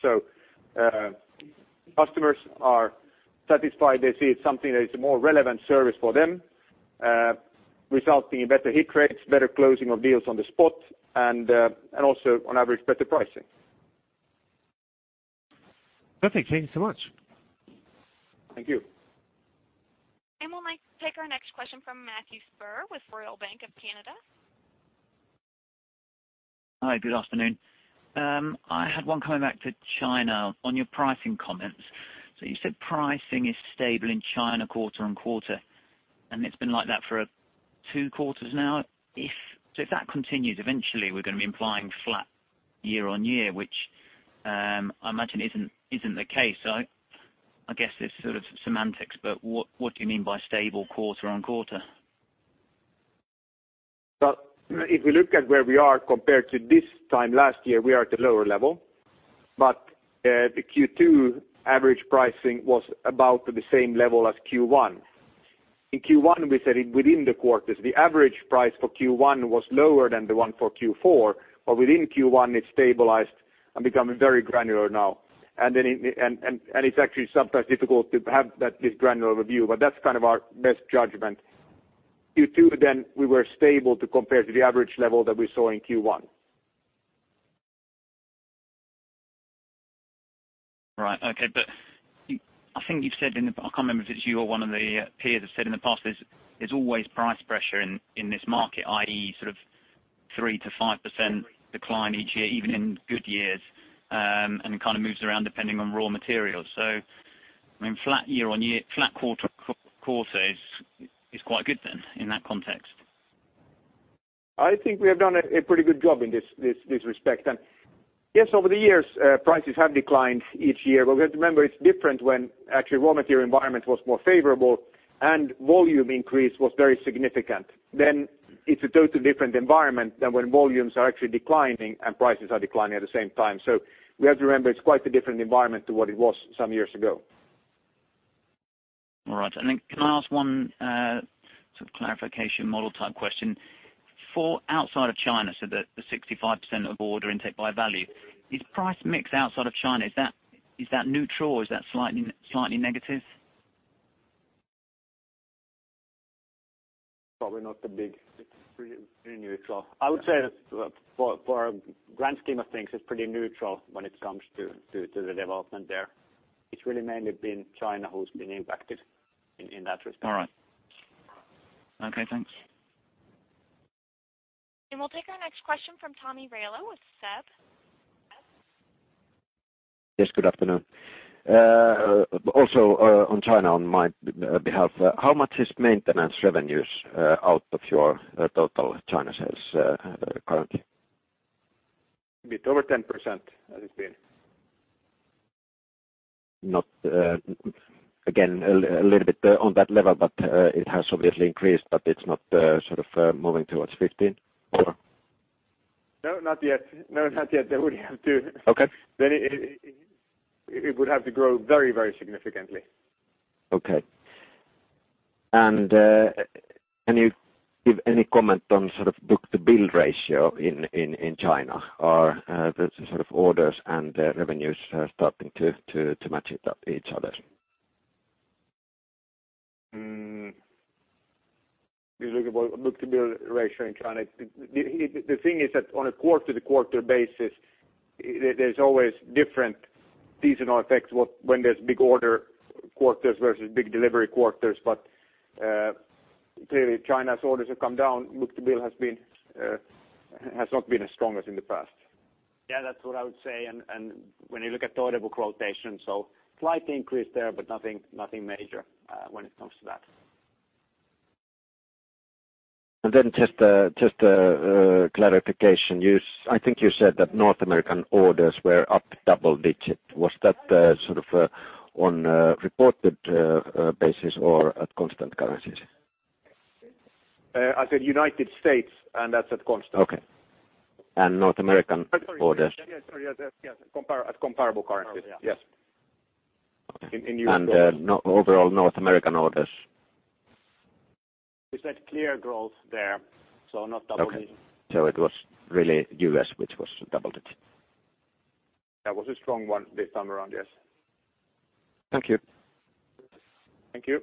Customers are satisfied. They see it's something that is a more relevant service for them resulting in better hit rates, better closing of deals on the spot and also on average better pricing. Perfect. Thank you so much. Thank you. We'll take our next question from Matthew Spurr with Royal Bank of Canada. Hi, good afternoon. I had one coming back for China on your pricing comments. You said pricing is stable in China quarter-on-quarter, and it's been like that for two quarters now. If that continues, eventually we're going to be implying flat year-on-year, which I imagine isn't the case. I guess it's sort of semantics, but what do you mean by stable quarter-on-quarter? Well, if we look at where we are compared to this time last year, we are at a lower level. The Q2 average pricing was about the same level as Q1. In Q1, we said it within the quarters, the average price for Q1 was lower than the one for Q4, but within Q1 it stabilized and become very granular now. It's actually sometimes difficult to have this granular view, but that's kind of our best judgment. Q2 we were stable to compare to the average level that we saw in Q1. Right. Okay. I think you've said I can't remember if it's you or one of the peers have said in the past, there's always price pressure in this market, i.e. sort of 3%-5% decline each year, even in good years. It kind of moves around depending on raw materials. I mean, flat year-on-year, flat quarter-on-quarter is quite good then, in that context. I think we have done a pretty good job in this respect. Yes, over the years, prices have declined each year. We have to remember it's different when actually raw material environment was more favorable and volume increase was very significant. It's a totally different environment than when volumes are actually declining and prices are declining at the same time. We have to remember it's quite a different environment to what it was some years ago. All right. Can I ask one sort of clarification model type question. For outside of China, so the 65% of order intake by value, is price mix outside of China, is that neutral or is that slightly negative? Probably pretty neutral. I would say that for our grand scheme of things, it's pretty neutral when it comes to the development there. It's really mainly been China who's been impacted in that respect. All right. Okay, thanks. We'll take our next question from Tomi Railo with SEB. Yes, good afternoon. Also, on China on my behalf, how much is maintenance revenues out of your total China sales currently? Bit over 10%, has it been. Not, again, a little bit on that level, but it has obviously increased, but it's not sort of moving towards 15% or? No, not yet. That would have to Okay it would have to grow very, very significantly. Okay. Can you give any comment on sort of book-to-bill ratio in China or the sort of orders and revenues starting to match it up each other? You're talking about book-to-bill ratio in China. The thing is that on a quarter-to-quarter basis, there's always different seasonal effects when there's big order quarters versus big delivery quarters. Clearly China's orders have come down. Book-to-bill has not been as strong as in the past. Yeah, that's what I would say. When you look at the order book rotation, slight increase there, but nothing major when it comes to that. Then just a clarification. I think you said that North American orders were up double digit. Was that sort of on a reported basis or at constant currencies? I said United States, that's at constant. Okay. North American orders- Sorry. Yes. At comparable currencies. Yes Okay. In US dollars. Overall North American orders? We said clear growth there, not double digits. It was really U.S. which was double digit. That was a strong one this time around, yes. Thank you. Thank you.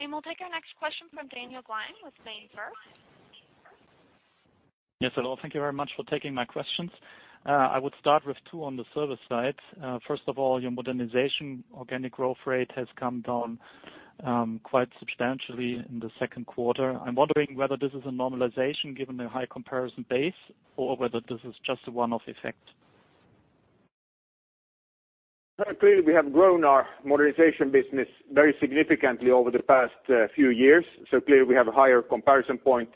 We'll take our next question from Daniel Glyne with MainFirst. Yes, hello, thank you very much for taking my questions. I would start with two on the service side. First of all, your modernization organic growth rate has come down quite substantially in the second quarter. I'm wondering whether this is a normalization given the high comparison base or whether this is just a one-off effect. Clearly, we have grown our modernization business very significantly over the past few years. Clearly, we have a higher comparison point.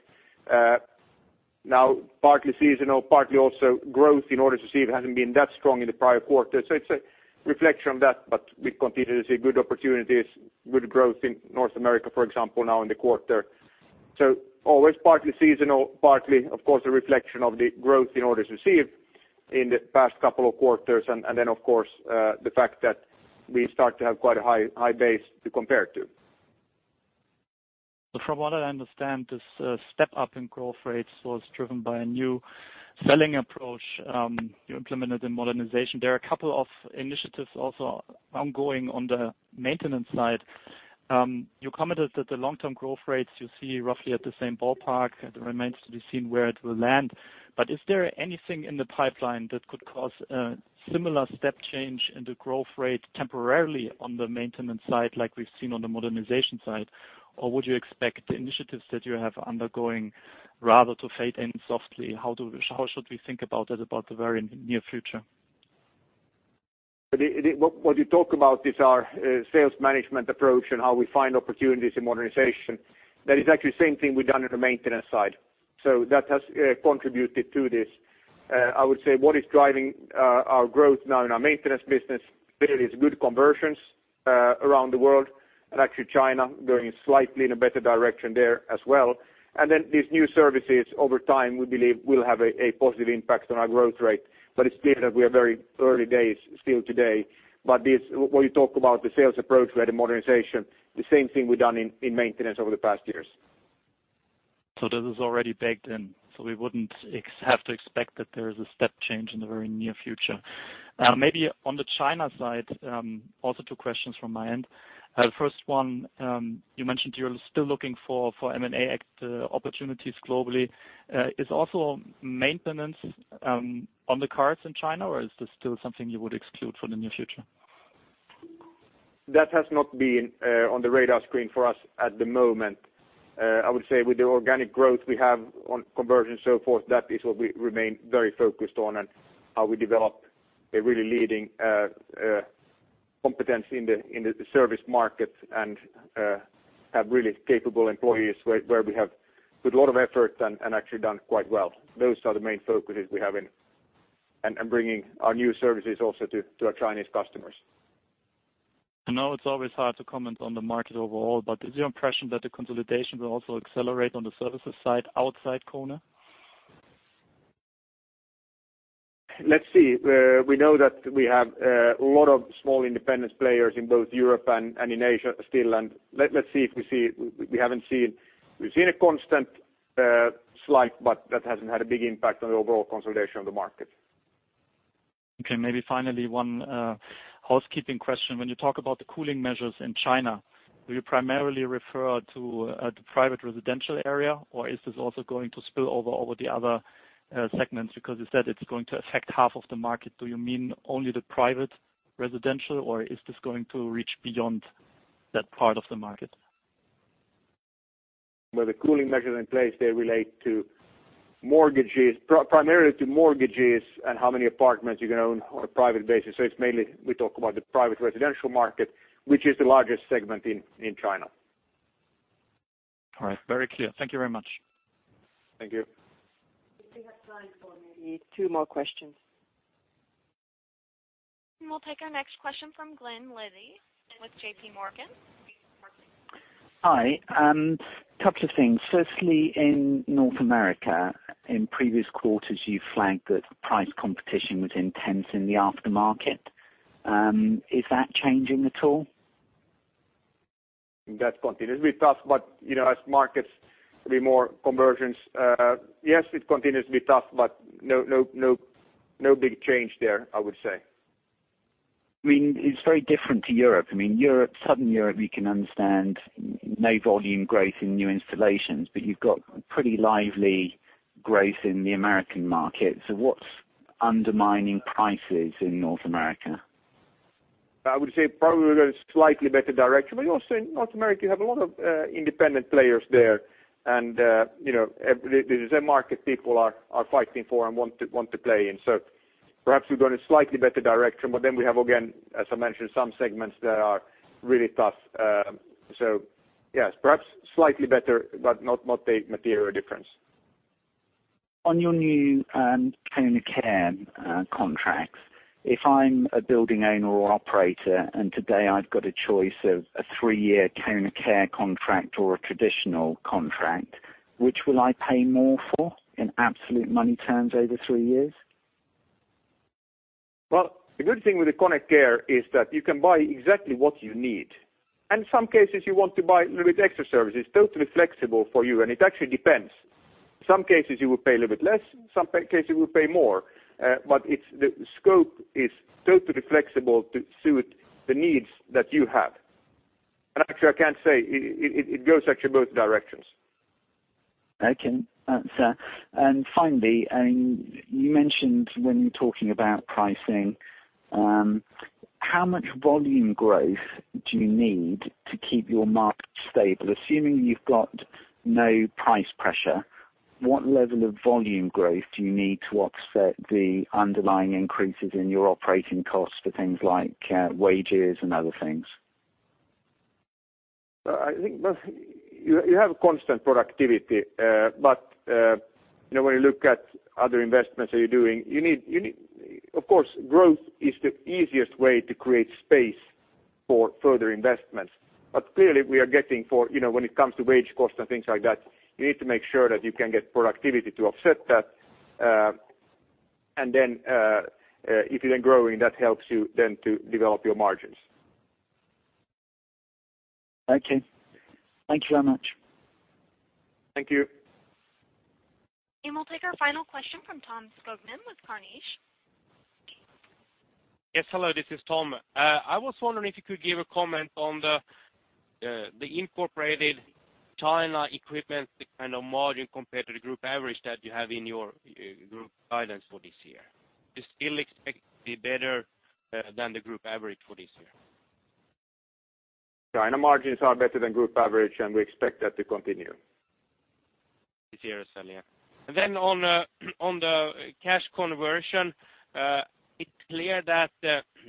Now, partly seasonal, partly also growth in orders received hasn't been that strong in the prior quarter. It's a reflection of that, but we continue to see good opportunities, good growth in North America, for example, now in the quarter. Always partly seasonal, partly, of course, a reflection of the growth in orders received in the past couple of quarters. Then, of course, the fact that we start to have quite a high base to compare to. From what I understand, this step up in growth rates was driven by a new selling approach you implemented in modernization. There are a couple of initiatives also ongoing on the maintenance side. You commented that the long-term growth rates you see roughly at the same ballpark, it remains to be seen where it will land. Is there anything in the pipeline that could cause a similar step change in the growth rate temporarily on the maintenance side like we've seen on the modernization side? Would you expect the initiatives that you have undergoing rather to fade in softly? How should we think about that about the very near future? What you talk about is our sales management approach and how we find opportunities in modernization. That is actually the same thing we've done on the maintenance side. That has contributed to this. I would say what is driving our growth now in our maintenance business, clearly is good conversions around the world, and actually China going slightly in a better direction there as well. These new services over time, we believe will have a positive impact on our growth rate, but it's clear that we are very early days still today. What you talk about, the sales approach where the modernization, the same thing we've done in maintenance over the past years. This is already baked in. We wouldn't have to expect that there is a step change in the very near future. Maybe on the China side, also two questions from my end. The first one, you mentioned you're still looking for M&A opportunities globally. Is also maintenance on the cards in China, or is this still something you would exclude from the near future? That has not been on the radar screen for us at the moment. I would say with the organic growth we have on conversion and so forth, that is what we remain very focused on and how we develop a really leading competence in the service market and have really capable employees where we have put a lot of effort and actually done quite well. Those are the main focuses we have and bringing our new services also to our Chinese customers. I know it's always hard to comment on the market overall, is your impression that the consolidation will also accelerate on the services side outside KONE? Let's see. We know that we have a lot of small independent players in both Europe and in Asia still, and let's see if we've seen a constant slide, but that hasn't had a big impact on the overall consolidation of the market. Okay, maybe finally, one housekeeping question. When you talk about the cooling measures in China, do you primarily refer to the private residential area, or is this also going to spill over the other segments? Because you said it's going to affect half of the market. Do you mean only the private residential, or is this going to reach beyond that part of the market? Where the cooling measures in place, they relate primarily to mortgages and how many apartments you can own on a private basis. It's mainly we talk about the private residential market, which is the largest segment in China. All right. Very clear. Thank you very much. Thank you. We still have time for maybe two more questions. We'll take our next question from Glen Lilly with JP Morgan. Hi. Couple of things. Firstly, in North America, in previous quarters, you flagged that price competition was intense in the aftermarket. Is that changing at all? That continues to be tough, as markets, maybe more conversions. Yes, it continues to be tough, no big change there, I would say. I mean, it's very different to Europe. I mean, Southern Europe, you can understand no volume growth in new installations, you've got pretty lively growth in the American market. What's undermining prices in North America? I would say probably we're going slightly better direction, also in North America, you have a lot of independent players there, this is a market people are fighting for and want to play in. Perhaps we're going a slightly better direction. We have, again, as I mentioned, some segments that are really tough. Yes, perhaps slightly better, not a material difference. On your new KONE Care contracts, if I'm a building owner or operator and today I've got a choice of a three-year KONE Care contract or a traditional contract, which will I pay more for in absolute money terms over three years? The good thing with the KONE Care is that you can buy exactly what you need. Some cases you want to buy a little bit extra services, totally flexible for you. It actually depends. Some cases you will pay a little bit less, some cases you will pay more. The scope is totally flexible to suit the needs that you have. Actually, I can't say, it goes actually both directions. Okay. Finally, you mentioned when you're talking about pricing, how much volume growth do you need to keep your market stable? Assuming you've got no price pressure, what level of volume growth do you need to offset the underlying increases in your operating costs for things like wages and other things? I think you have constant productivity. When you look at other investments that you're doing, of course, growth is the easiest way to create space for further investments. Clearly we are getting for, when it comes to wage costs and things like that, you need to make sure that you can get productivity to offset that. If you're then growing, that helps you then to develop your margins. Okay. Thank you very much. Thank you. We'll take our final question from Tom Skoglund with Carnegie. Yes. Hello, this is Tom. I was wondering if you could give a comment on the incorporated China equipment, the kind of margin compared to the group average that you have in your group guidance for this year. Do you still expect to be better than the group average for this year? China margins are better than group average, we expect that to continue. This year, certainly. On the cash conversion, it's clear that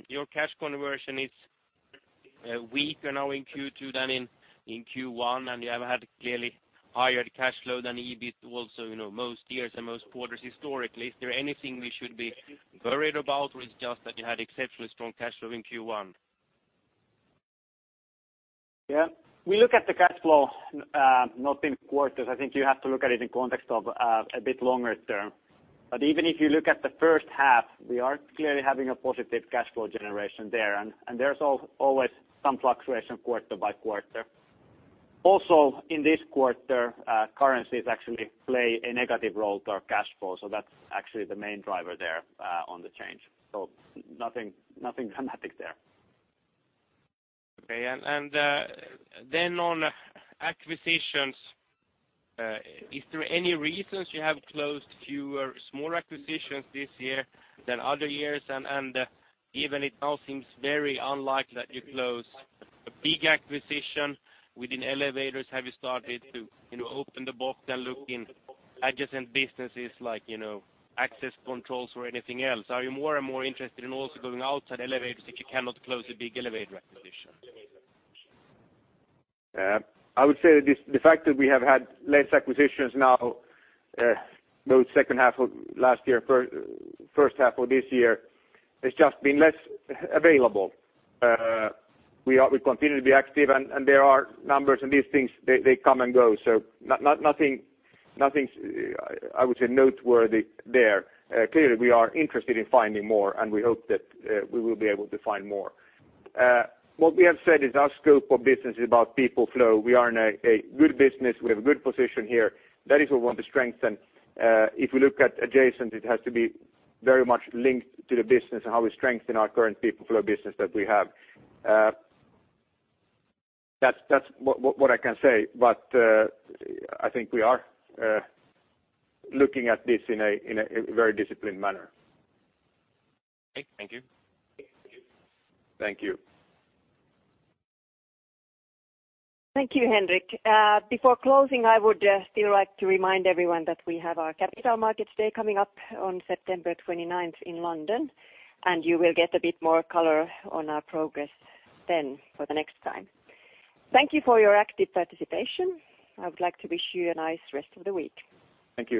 your cash conversion is weaker now in Q2 than in Q1, and you have had clearly higher cash flow than EBIT also, most years and most quarters historically. Is there anything we should be worried about, or it's just that you had exceptionally strong cash flow in Q1? Yeah. We look at the cash flow, not in quarters. I think you have to look at it in context of a bit longer term. Even if you look at the first half, we are clearly having a positive cash flow generation there, and there's always some fluctuation quarter by quarter. Also, in this quarter, currencies actually play a negative role to our cash flow. That's actually the main driver there on the change. Nothing dramatic there. Okay. On acquisitions, is there any reasons you have closed fewer small acquisitions this year than other years? Even it now seems very unlikely that you close a big acquisition within elevators. Have you started to open the box and look in adjacent businesses like access controls or anything else? Are you more and more interested in also going outside elevators if you cannot close a big elevator acquisition? I would say that the fact that we have had less acquisitions now, both second half of last year, first half of this year, it's just been less available. We continue to be active, and there are numbers, and these things, they come and go. Nothing, I would say, noteworthy there. Clearly, we are interested in finding more, and we hope that we will be able to find more. What we have said is our scope of business is about people flow. We are in a good business. We have a good position here. That is what we want to strengthen. If we look at adjacent, it has to be very much linked to the business and how we strengthen our current people flow business that we have. That's what I can say. I think we are looking at this in a very disciplined manner. Okay. Thank you. Thank you. Thank you, Henrik. Before closing, I would still like to remind everyone that we have our Capital Markets Day coming up on September 29th in London, and you will get a bit more color on our progress then for the next time. Thank you for your active participation. I would like to wish you a nice rest of the week. Thank you.